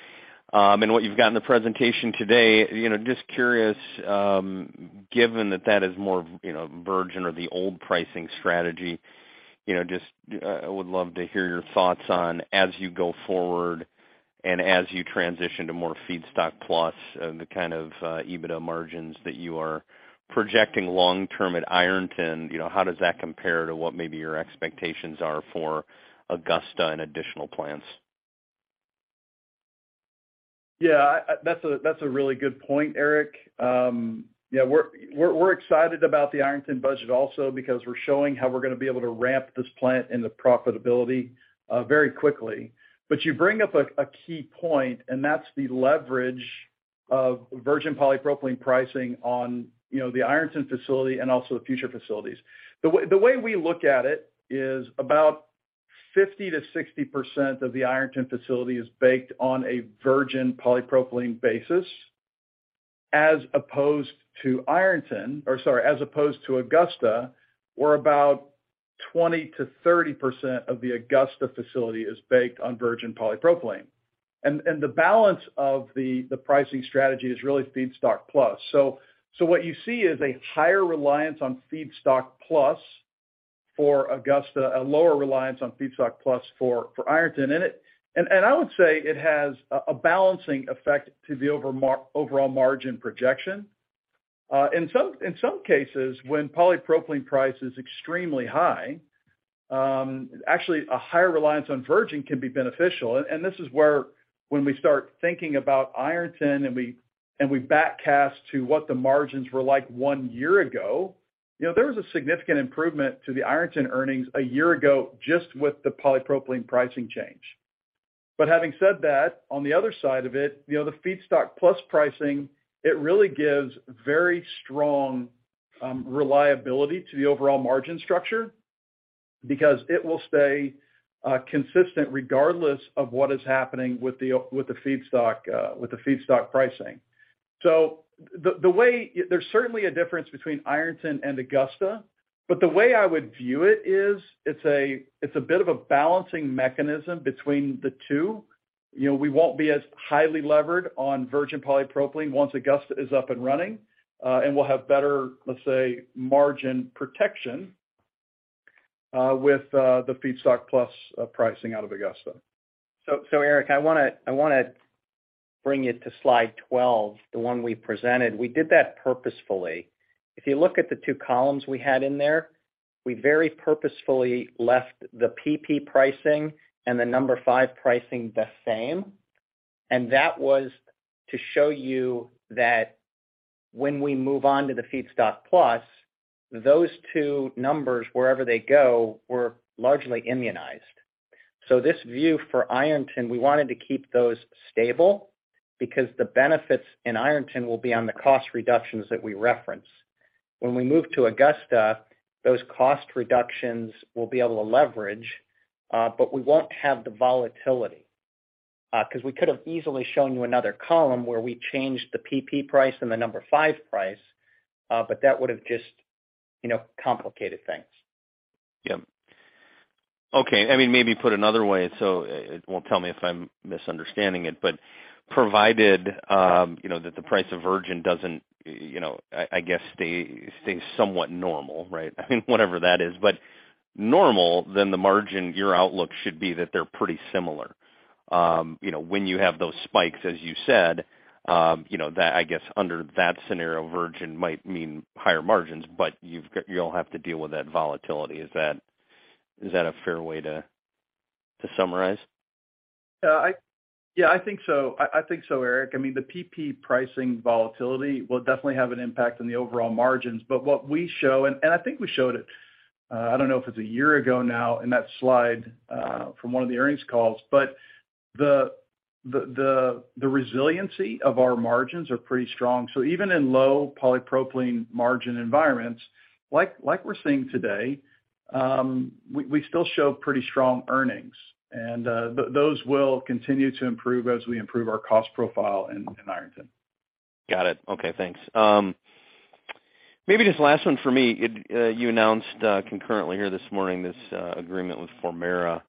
What you've got in the presentation today, you know, just curious, given that that is more, you know, virgin or the old pricing strategy, you know, just would love to hear your thoughts on as you go forward and as you transition to more feedstock plus, the kind of EBITDA margins that you are projecting long-term at Ironton, you know, how does that compare to what maybe your expectations are for Augusta and additional plants? That's a, that's a really good point, Eric. We're excited about the Ironton budget also because we're showing how we're gonna be able to ramp this plant into profitability very quickly. You bring up a key point, and that's the leverage of virgin polypropylene pricing on, you know, the Ironton facility and also the future facilities. The way we look at it is about 50%-60% of the Ironton facility is baked on a virgin polypropylene basis. As opposed to Ironton or sorry, as opposed to Augusta, where about 20%-30% of the Augusta facility is baked on virgin polypropylene. The balance of the pricing strategy is really feedstock plus. What you see is a higher reliance on feedstock plus for Augusta, a lower reliance on feedstock plus for Ironton. I would say it has a balancing effect to the overall margin projection. In some, in some cases, when Polypropylene Price is extremely high, actually a higher reliance on virgin can be beneficial. This is where when we start thinking about Ironton and we back cast to what the margins were like one year ago, you know, there was a significant improvement to the Ironton earnings a year ago just with the polypropylene pricing change. Having said that, on the other side of it, you know, the feedstock plus pricing, it really gives very strong reliability to the overall margin structure because it will stay consistent regardless of what is happening with the feedstock pricing. There's certainly a difference between Ironton and Augusta, but the way I would view it is it's a bit of a balancing mechanism between the two. You know, we won't be as highly levered on virgin polypropylene once Augusta is up and running, and we'll have better, let's say, margin protection, with the feedstock plus pricing out of Augusta. Eric, I wanna bring you to slide 12, the one we presented. We did that purposefully. If you look at the two columns we had in there, we very purposefully left the PP pricing and the No. 5 pricing the same. That was to show you that when we move on to the feedstock plus, those two numbers, wherever they go, were largely immunized. This view for Ironton, we wanted to keep those stable because the benefits in Ironton will be on the cost reductions that we reference. When we move to Augusta, those cost reductions we'll be able to leverage, but we won't have the volatility, 'cause we could have easily shown you another column where we changed the PP price and the No. 5 price, but that would have just, you know, complicated things. Yeah. Okay. I mean, maybe put another way, it won't tell me if I'm misunderstanding it, but provided, you know, that the price of virgin doesn't, you know, I guess stay somewhat normal, right? I mean, whatever that is. Normal, then the margin, your outlook should be that they're pretty similar. You know, when you have those spikes, as you said, you know, that I guess under that scenario, virgin might mean higher margins, but you'll have to deal with that volatility. Is that a fair way to summarize? I think so. I think so, Eric. I mean, the PP pricing volatility will definitely have an impact on the overall margins. What we show, and I think we showed it, I don't know if it's a year ago now in that slide, from one of the earnings calls, but the resiliency of our margins are pretty strong. Even in low polypropylene margin environments, like we're seeing today, we still show pretty strong earnings, and those will continue to improve as we improve our cost profile in Ironton. Got it. Okay, thanks. Maybe just last one for me. You announced concurrently here this morning this agreement with Formerra.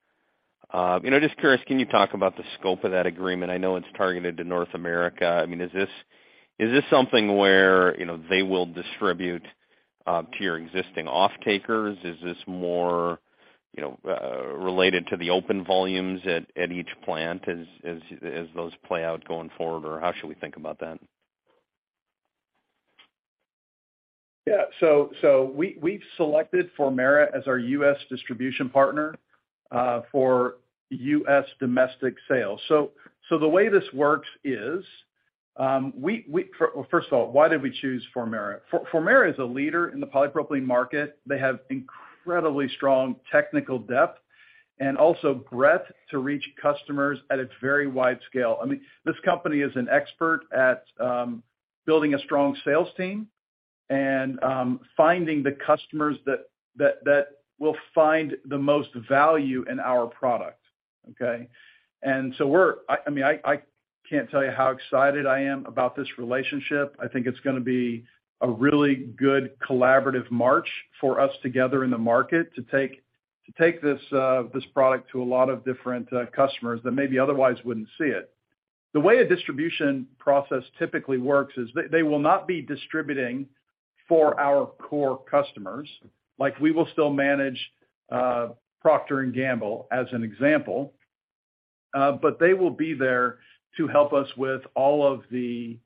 You know, just curious, can you talk about the scope of that agreement? I know it's targeted to North America. I mean, is this something where, you know, they will distribute to your existing off-takers? Is this more, you know, related to the open volumes at each plant as those play out going forward? Or how should we think about that? Yeah. we've selected Formerra as our U.S. distribution partner for U.S. domestic sales. The way this works is, First of all, why did we choose Formerra? Formerra is a leader in the polypropylene market. They have incredibly strong technical depth and also breadth to reach customers at its very wide scale. I mean, this company is an expert at building a strong sales team and finding the customers that will find the most value in our product. Okay? We're I mean, I can't tell you how excited I am about this relationship. I think it's gonna be a really good collaborative march for us together in the market to take this product to a lot of different customers that maybe otherwise wouldn't see it. The way a distribution process typically works is they will not be distributing for our core customers. Like, we will still manage Procter & Gamble as an example. They will be there to help us with all of the,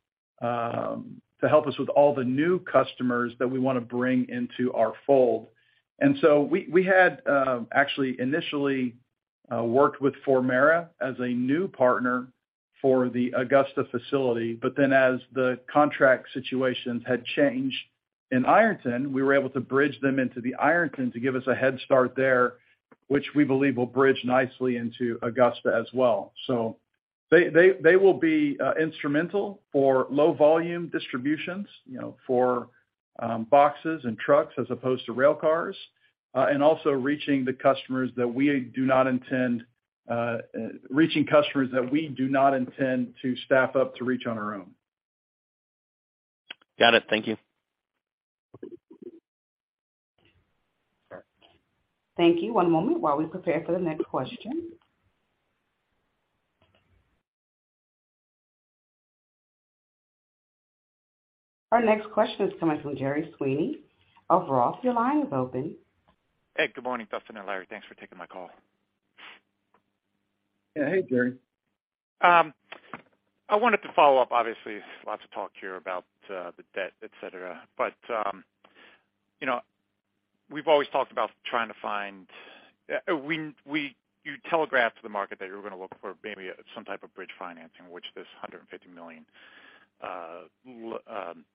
to help us with all the new customers that we wanna bring into our fold. We had actually initially worked with Formerra as a new partner for the Augusta facility, as the contract situations had changed in Ironton, we were able to bridge them into the Ironton to give us a head start there, which we believe will bridge nicely into Augusta as well. They will be instrumental for low volume distributions, you know, for boxes and trucks as opposed to rail cars, and also reaching customers that we do not intend to staff up to reach on our own. Got it. Thank you. Thank you. One moment while we prepare for the next question. Our next question is coming from Gerry Sweeney of ROTH Capital. Your line is open. Hey, good morning, Dustin and Larry. Thanks for taking my call. Yeah. Hey, Gerry. I wanted to follow up. Obviously, there's lots of talk here about the debt, et cetera. You know, we've always talked about trying to find. You telegraphed to the market that you were gonna look for maybe some type of bridge financing, which this $150 million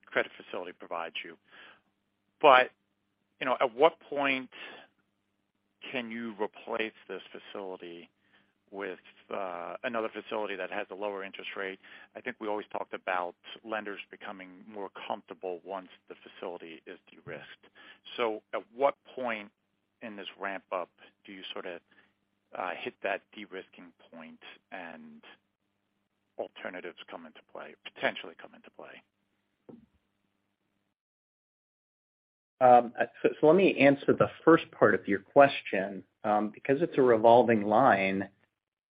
credit facility provides you. You know, at what point can you replace this facility with another facility that has a lower interest rate? I think we always talked about lenders becoming more comfortable once the facility is de-risked. At what point in this ramp-up do you sorta hit that de-risking point and alternatives come into play, potentially come into play? So let me answer the first part of your question. Because it's a revolving line,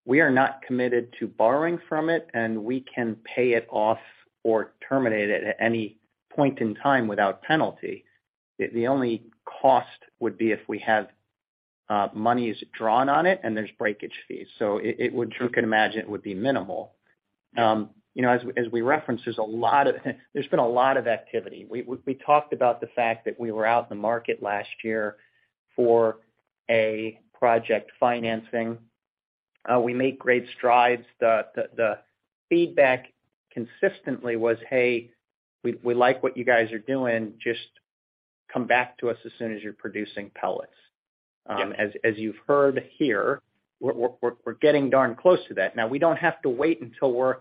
we are not committed to borrowing from it, and we can pay it off or terminate it at any point in time without penalty. The only cost would be if we have monies drawn on it and there's breakage fees. It would... You can imagine it would be minimal. You know, as we referenced, there's been a lot of activity. We talked about the fact that we were out in the market last year for a project financing. We made great strides. The feedback consistently was, "Hey, we like what you guys are doing, just come back to us as soon as you're producing pellets. Yeah. As you've heard here, we're getting darn close to that. We don't have to wait until we're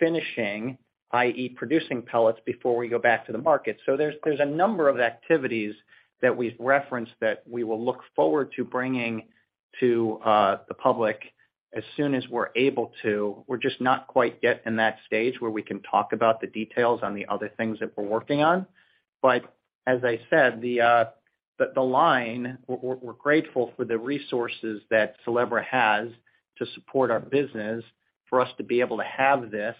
finishing, i.e., producing pellets before we go back to the market. There's a number of activities that we've referenced that we will look forward to bringing to the public as soon as we're able to. We're just not quite yet in that stage where we can talk about the details on the other things that we're working on. As I said, the line, we're grateful for the resources that Sylebra has to support our business, for us to be able to have this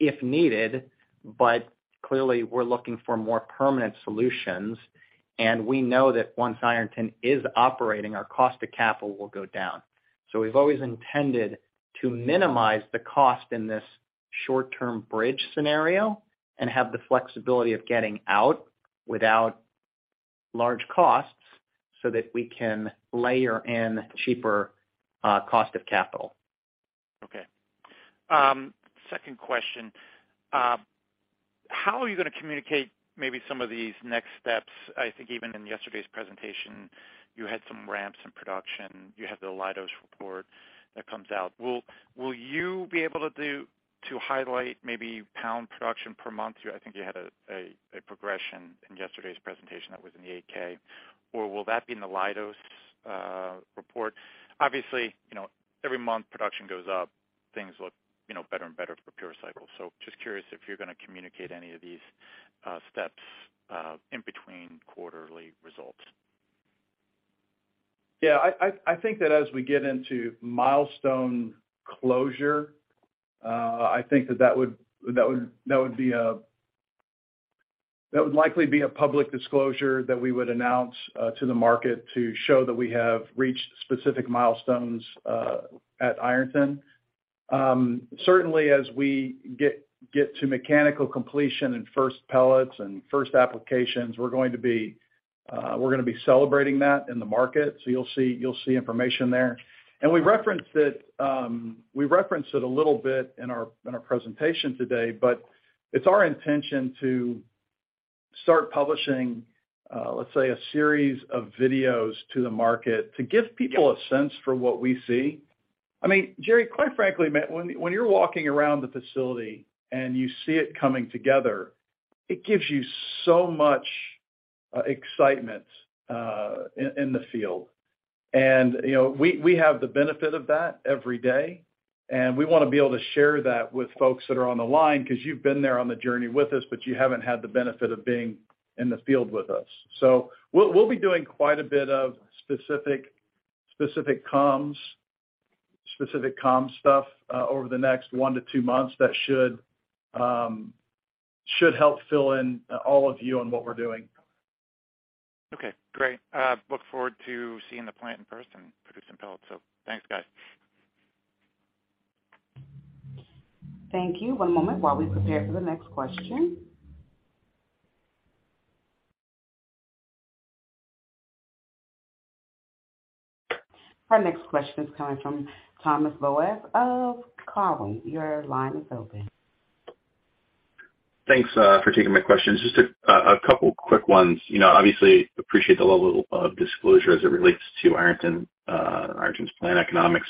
if needed. Clearly, we're looking for more permanent solutions, and we know that once Ironton is operating, our cost of capital will go down. We've always intended to minimize the cost in this short-term bridge scenario and have the flexibility of getting out without large costs so that we can layer in cheaper cost of capital. Okay. Second question. How are you gonna communicate maybe some of these next steps? I think even in yesterday's presentation, you had some ramps in production. You have the Leidos report that comes out. Will you be able to highlight maybe pound production per month? I think you had a progression in yesterday's presentation that was in the 8-K. Or will that be in the Leidos report? Obviously, you know, every month production goes up, things look, you know, better and better for PureCycle. Just curious if you're gonna communicate any of these steps in between quarterly results. I think that as we get into milestone closure, I think that would likely be a public disclosure that we would announce to the market to show that we have reached specific milestones at Ironton. Certainly, as we get to mechanical completion and first pellets and first applications, we're gonna be celebrating that in the market. You'll see information there. We referenced it a little bit in our presentation today, but it's our intention to start publishing, let's say, a series of videos to the market to give people a sense for what we see. I mean, Gerry, quite frankly, man, when you're walking around the facility and you see it coming together, it gives you so much excitement in the field. You know, we have the benefit of that every day, and we wanna be able to share that with folks that are on the line because you've been there on the journey with us, but you haven't had the benefit of being in the field with us. We'll be doing quite a bit of specific comms stuff over the next one to two months that should help fill in all of you on what we're doing. Okay, great. Look forward to seeing the plant in person producing pellets. Thanks, guys. Thank you. One moment while we prepare for the next question. Our next question is coming from Thomas Boyes of Cowen. Your line is open. Thanks for taking my questions. Just a couple quick ones. You know, obviously appreciate the level of disclosure as it relates to Ironton's plant economics.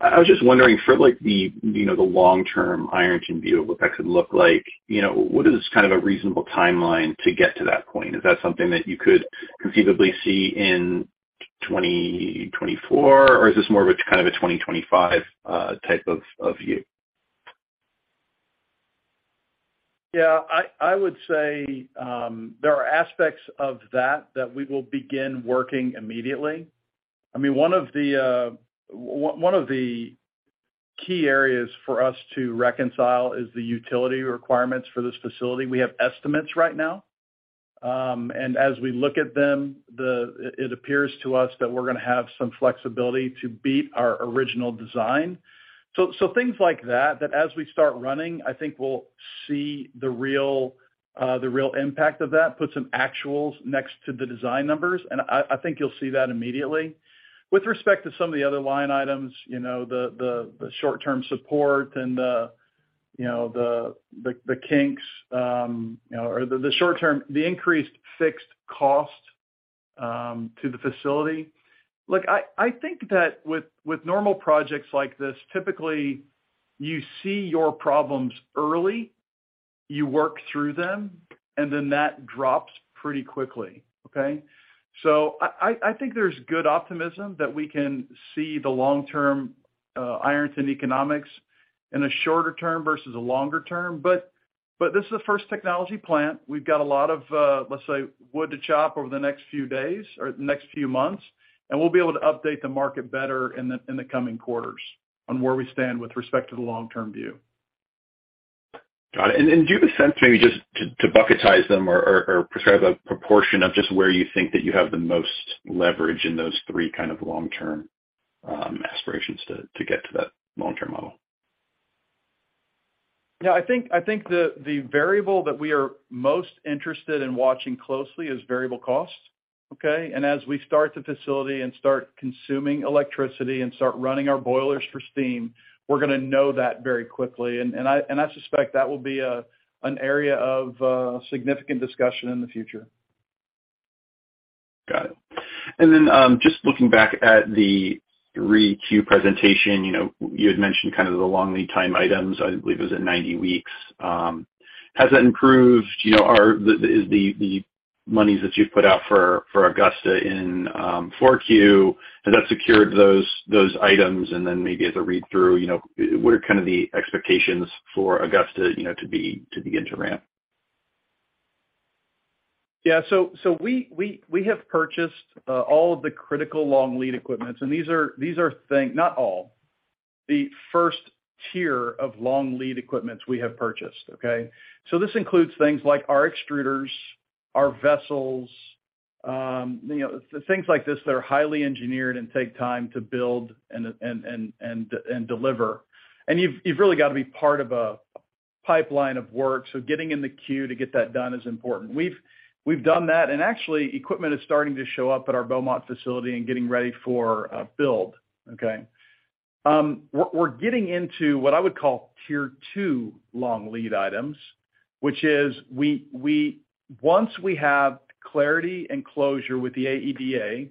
I was just wondering for like the, you know, the long-term Ironton view of what that could look like, you know, what is kind of a reasonable timeline to get to that point? Is that something that you could conceivably see in 2024? Or is this more of a kind of a 2025 type of view? I would say, there are aspects of that we will begin working immediately. I mean, one of the key areas for us to reconcile is the utility requirements for this facility. We have estimates right now. As we look at them, it appears to us that we're gonna have some flexibility to beat our original design. Things like that as we start running, I think we'll see the real, the real impact of that, put some actuals next to the design numbers, and I think you'll see that immediately. With respect to some of the other line items, you know, the short-term support and the, you know, the kinks, or the increased fixed cost to the facility. Look, I think that with normal projects like this, typically you see your problems early, you work through them, and then that drops pretty quickly, okay. I think there's good optimism that we can see the long-term Ironton economics in a shorter term versus a longer term, but this is the first technology plant. We've got a lot of, let's say, wood to chop over the next few days or the next few months, and we'll be able to update the market better in the coming quarters on where we stand with respect to the long-term view. Got it. Do you have a sense, maybe just to bucketize them or prescribe a proportion of just where you think that you have the most leverage in those three kind of long-term aspirations to get to that long-term model? Yeah, I think the variable that we are most interested in watching closely is variable costs, okay? As we start the facility and start consuming electricity and start running our boilers for steam, we're gonna know that very quickly. I suspect that will be an area of significant discussion in the future. Got it. Just looking back at the 3Q presentation, you know, you had mentioned kind of the long lead time items, I believe it was at 90 weeks. Has that improved? You know, are the monies that you've put out for Augusta in, 4Q, has that secured those items? Maybe as a read-through, you know, what are kind of the expectations for Augusta, you know, to begin to ramp? We have purchased all of the critical long lead equipments. Not all. The first tier of long lead equipments we have purchased. This includes things like our extruders, our vessels, you know, things like this that are highly engineered and take time to build and deliver. You've really got to be part of a pipeline of work, so getting in the queue to get that done is important. We've done that, and actually equipment is starting to show up at our Beaumont facility and getting ready for build. We're getting into what I would call tier two long lead items, which is once we have clarity and closure with the AEDA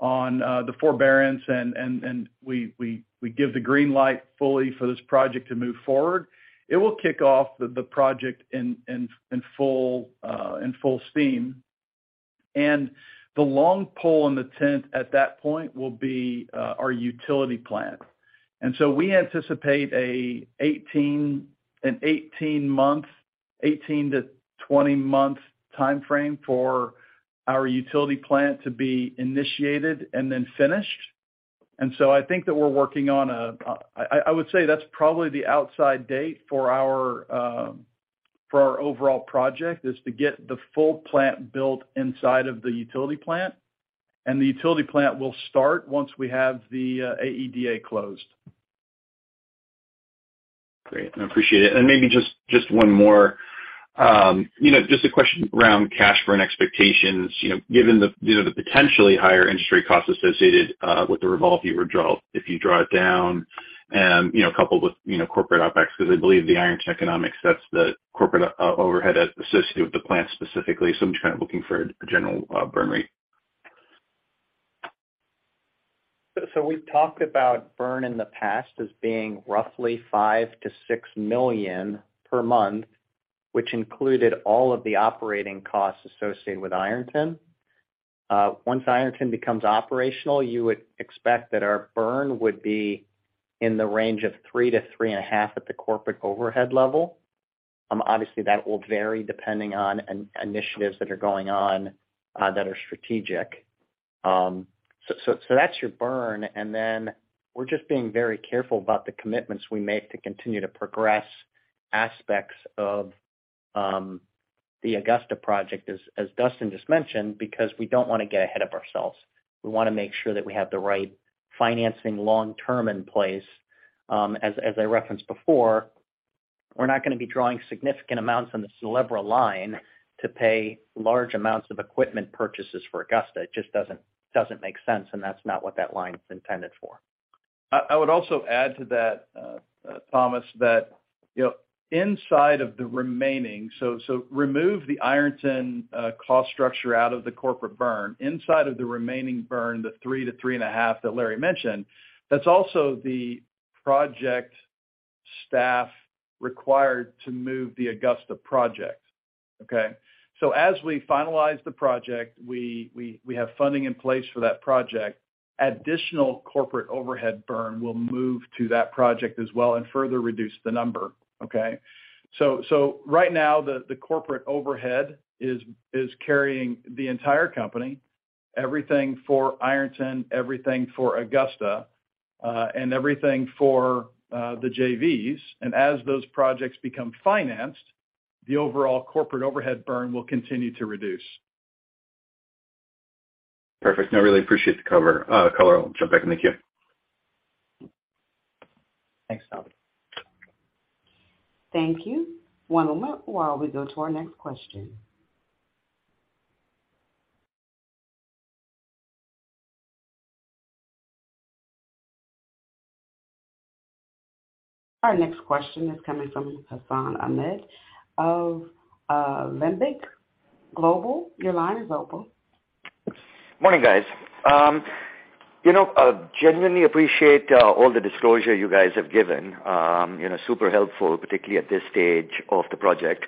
on the forbearance and we give the green light fully for this project to move forward, it will kick off the project in full steam. The long pole in the tent at that point will be our utility plant. We anticipate an 18-month, 18-20 month timeframe for our utility plant to be initiated and then finished. I think that we're working on I would say that's probably the outside date for our for our overall project, is to get the full plant built inside of the utility plant. The utility plant will start once we have the AEDA closed. Great. I appreciate it. Maybe just one more. You know, just a question around cash burn expectations. You know, given the, you know, the potentially higher industry costs associated with the revolver draw if you draw it down and, you know, coupled with, you know, corporate OpEx because I believe the Ironton economics, that's the corporate overhead associated with the plant specifically. I'm just kind of looking for a general, burn rate. We've talked about burn in the past as being roughly $5 million-$6 million per month, which included all of the operating costs associated with Ironton. Once Ironton becomes operational, you would expect that our burn would be in the range of $3 million-$3.5 million at the corporate overhead level. Obviously that will vary depending on initiatives that are going on, that are strategic. That's your burn, and then we're just being very careful about the commitments we make to continue to progress aspects of the Augusta project, as Dustin just mentioned, because we don't wanna get ahead of ourselves. We wanna make sure that we have the right financing long term in place. As I referenced before, we're not gonna be drawing significant amounts on the Sylebra line to pay large amounts of equipment purchases for Augusta. It just doesn't make sense. That's not what that line is intended for. I would also add to that, Thomas, you know, inside of the remaining. Remove the Ironton cost structure out of the corporate burn. Inside of the remaining burn, the $3-$3.5 that Larry mentioned, that's also the project staff required to move the Augusta project. Okay? As we finalize the project, we have funding in place for that project. Additional corporate overhead burn will move to that project as well and further reduce the number. Okay? Right now the corporate overhead is carrying the entire company, everything for Ironton, everything for Augusta, and everything for the JVs. As those projects become financed, the overall corporate overhead burn will continue to reduce. Perfect. No, I really appreciate the cover, color. I'll jump back in the queue. Thanks, Tommy. Thank you. One moment while we go to our next question. Our next question is coming from Hassan Ahmed of Alembic Global. Your line is open. Morning, guys. you know, genuinely appreciate all the disclosure you guys have given. you know, super helpful, particularly at this stage of the project.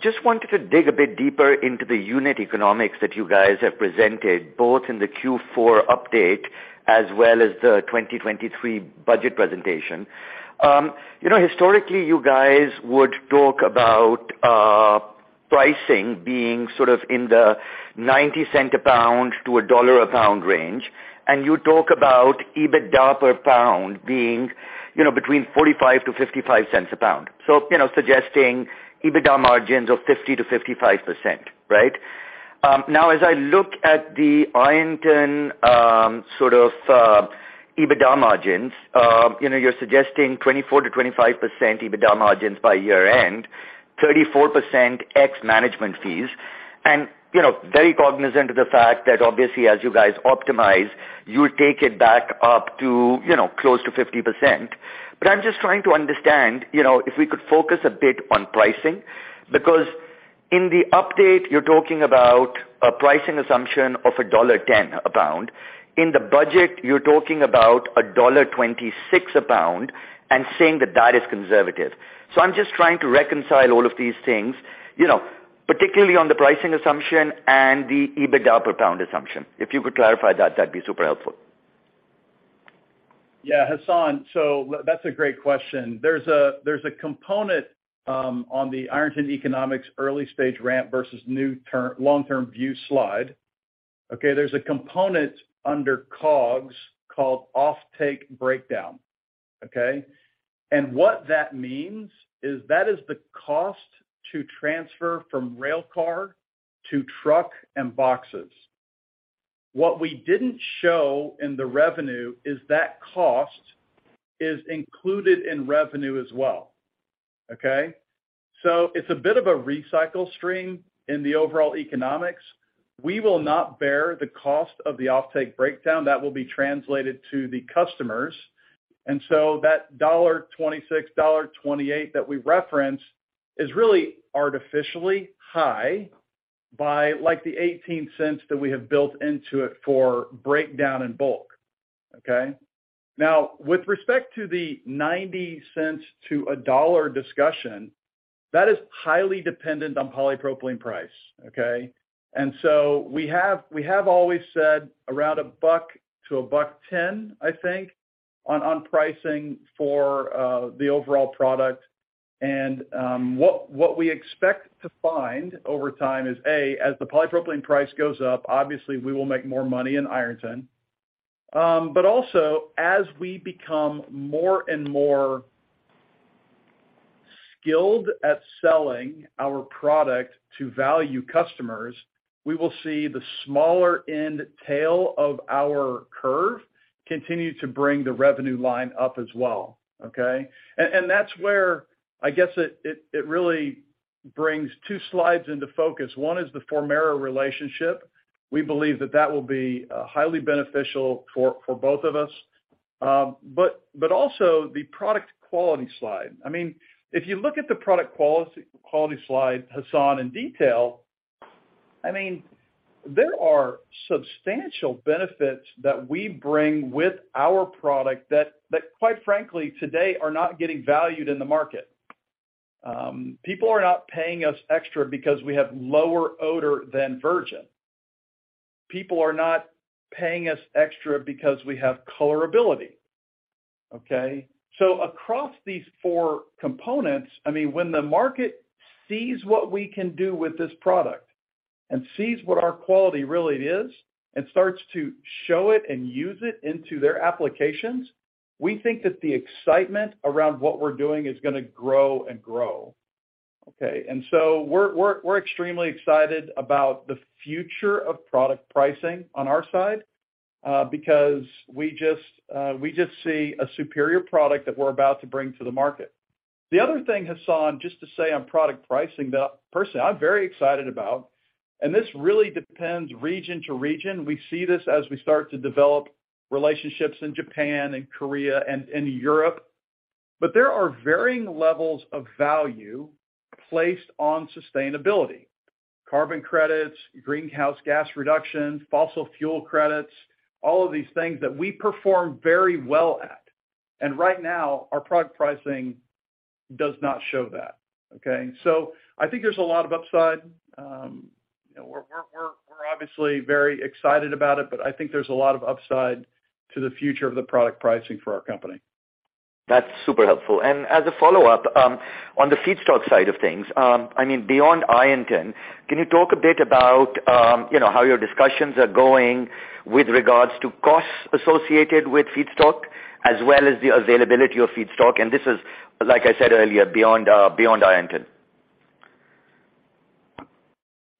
just wanted to dig a bit deeper into the unit economics that you guys have presented, both in the Q4 update as well as the 2023 budget presentation. You know, historically, you guys would talk about pricing being sort of in the $0.90 a pound to $1 a pound range, and you talk about EBITDA per pound being, you know, between $0.45-$0.55 a pound. you know, suggesting EBITDA margins of 50%-55%, right? Now, as I look at the Ironton sort of EBITDA margins, you know, you're suggesting 24%-25% EBITDA margins by year-end, 34% ex management fees. You know, very cognizant of the fact that obviously as you guys optimize, you take it back up to, you know, close to 50%. I'm just trying to understand, you know, if we could focus a bit on pricing, because in the update you're talking about a pricing assumption of $1.10 a pound. In the budget, you're talking about $1.26 a pound and saying that that is conservative. I'm just trying to reconcile all of these things, you know, particularly on the pricing assumption and the EBITDA per pound assumption. If you could clarify that'd be super helpful. Hassan, that's a great question. There's a component on the Ironton economics early stage ramp versus long-term view slide. Okay? There's a component under cogs called offtake breakdown. Okay? What that means is that is the cost to transfer from railcar to truck and boxes. What we didn't show in the revenue is that cost is included in revenue as well. Okay? It's a bit of a recycle stream in the overall economics. We will not bear the cost of the offtake breakdown. That will be translated to the customers. That $1.26, $1.28 that we reference is really artificially high by like the $0.18 that we have built into it for breakdown in bulk. Okay? With respect to the $0.90-$1.00 discussion, that is highly dependent on Polypropylene Price, okay? We have always said around $1 to $1.10, I think, on pricing for the overall product. What we expect to find over time is, A, as the Polypropylene Price goes up, obviously we will make more money in Ironton. Also as we become more and more skilled at selling our product to value customers, we will see the smaller end tail of our curve continue to bring the revenue line up as well. Okay? That's where I guess it really brings two slides into focus. One is the Formerra relationship. We believe that that will be highly beneficial for both of us. Also the product quality slide. I mean, if you look at the product quality slide, Hassan in detail, I mean, there are substantial benefits that we bring with our product that quite frankly today are not getting valued in the market. People are not paying us extra because we have lower odor than virgin. People are not paying us extra because we have colorability. Okay? Across these four components, I mean, when the market sees what we can do with this product and sees what our quality really is and starts to show it and use it into their applications, we think that the excitement around what we're doing is gonna grow and grow. Okay? We're extremely excited about the future of product pricing on our side, because we just see a superior product that we're about to bring to the market. The other thing, Hassan, just to say on product pricing that personally I'm very excited about. This really depends region to region. We see this as we start to develop relationships in Japan and Korea and in Europe. There are varying levels of value placed on sustainability, carbon credits, greenhouse gas reduction, fossil fuel credits, all of these things that we perform very well at. Right now, our product pricing does not show that, okay? I think there's a lot of upside. We're obviously very excited about it, but I think there's a lot of upside to the future of the product pricing for our company. That's super helpful. As a follow-up, on the feedstock side of things, I mean, beyond Ironton, can you talk a bit about, you know, how your discussions are going with regards to costs associated with feedstock as well as the availability of feedstock? This is, like I said earlier, beyond Ironton.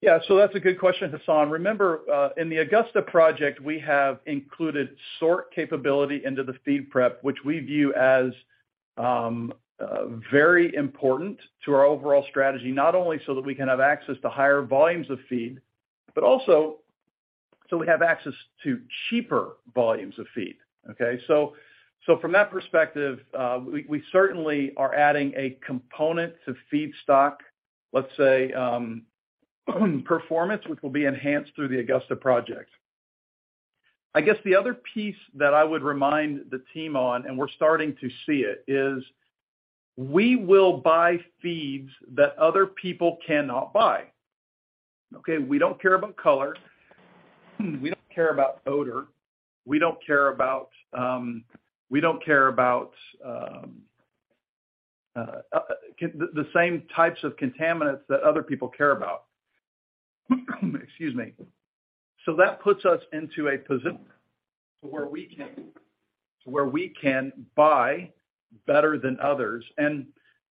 That's a good question, Hassan. Remember, in the Augusta project, we have included sort capability into the feed prep, which we view as very important to our overall strategy, not only so that we can have access to higher volumes of feed, but also so we have access to cheaper volumes of feed, okay? From that perspective, we certainly are adding a component to feedstock, let's say, performance, which will be enhanced through the Augusta project. I guess the other piece that I would remind the team on, and we're starting to see it, is we will buy feeds that other people cannot buy. Okay. We don't care about color. We don't care about odor. We don't care about the same types of contaminants that other people care about. Excuse me. That puts us into a position where we can buy better than others.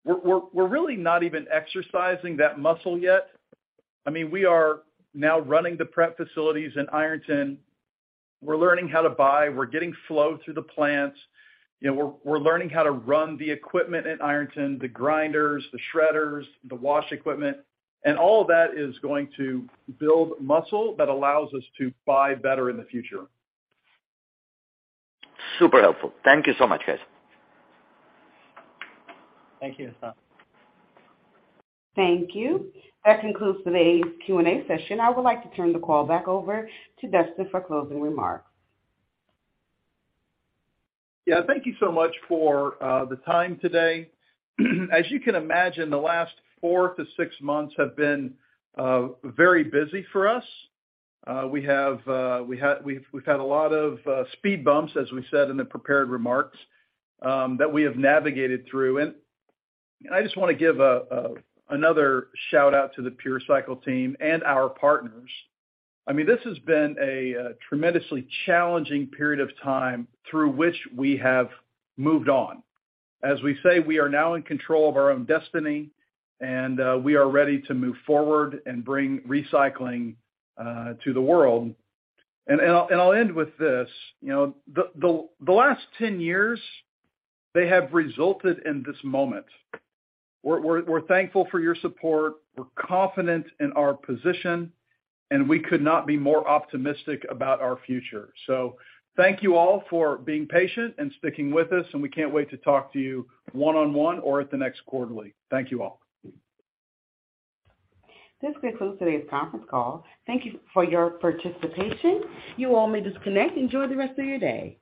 We're really not even exercising that muscle yet. I mean, we are now running the prep facilities in Ironton. We're learning how to buy. We're getting flow through the plants. You know, we're learning how to run the equipment at Ironton, the grinders, the shredders, the wash equipment, and all that is going to build muscle that allows us to buy better in the future. Super helpful. Thank you so much, guys. Thank you, Hassan. Thank you. That concludes today's Q&A session. I would like to turn the call back over to Dustin for closing remarks. Yeah. Thank you so much for the time today. As you can imagine, the last four to six months have been very busy for us. We've had a lot of speed bumps, as we said in the prepared remarks, that we have navigated through. I just wanna give another shout-out to the PureCycle team and our partners. I mean, this has been a tremendously challenging period of time through which we have moved on. As we say, we are now in control of our own destiny, and we are ready to move forward and bring recycling to the world. I'll end with this. You know, the last 10 years, they have resulted in this moment. We're thankful for your support. We're confident in our position, and we could not be more optimistic about our future. Thank you all for being patient and sticking with us, and we can't wait to talk to you one-on-one or at the next quarterly. Thank you all. This concludes today's conference call. Thank you for your participation. You all may disconnect. Enjoy the rest of your day.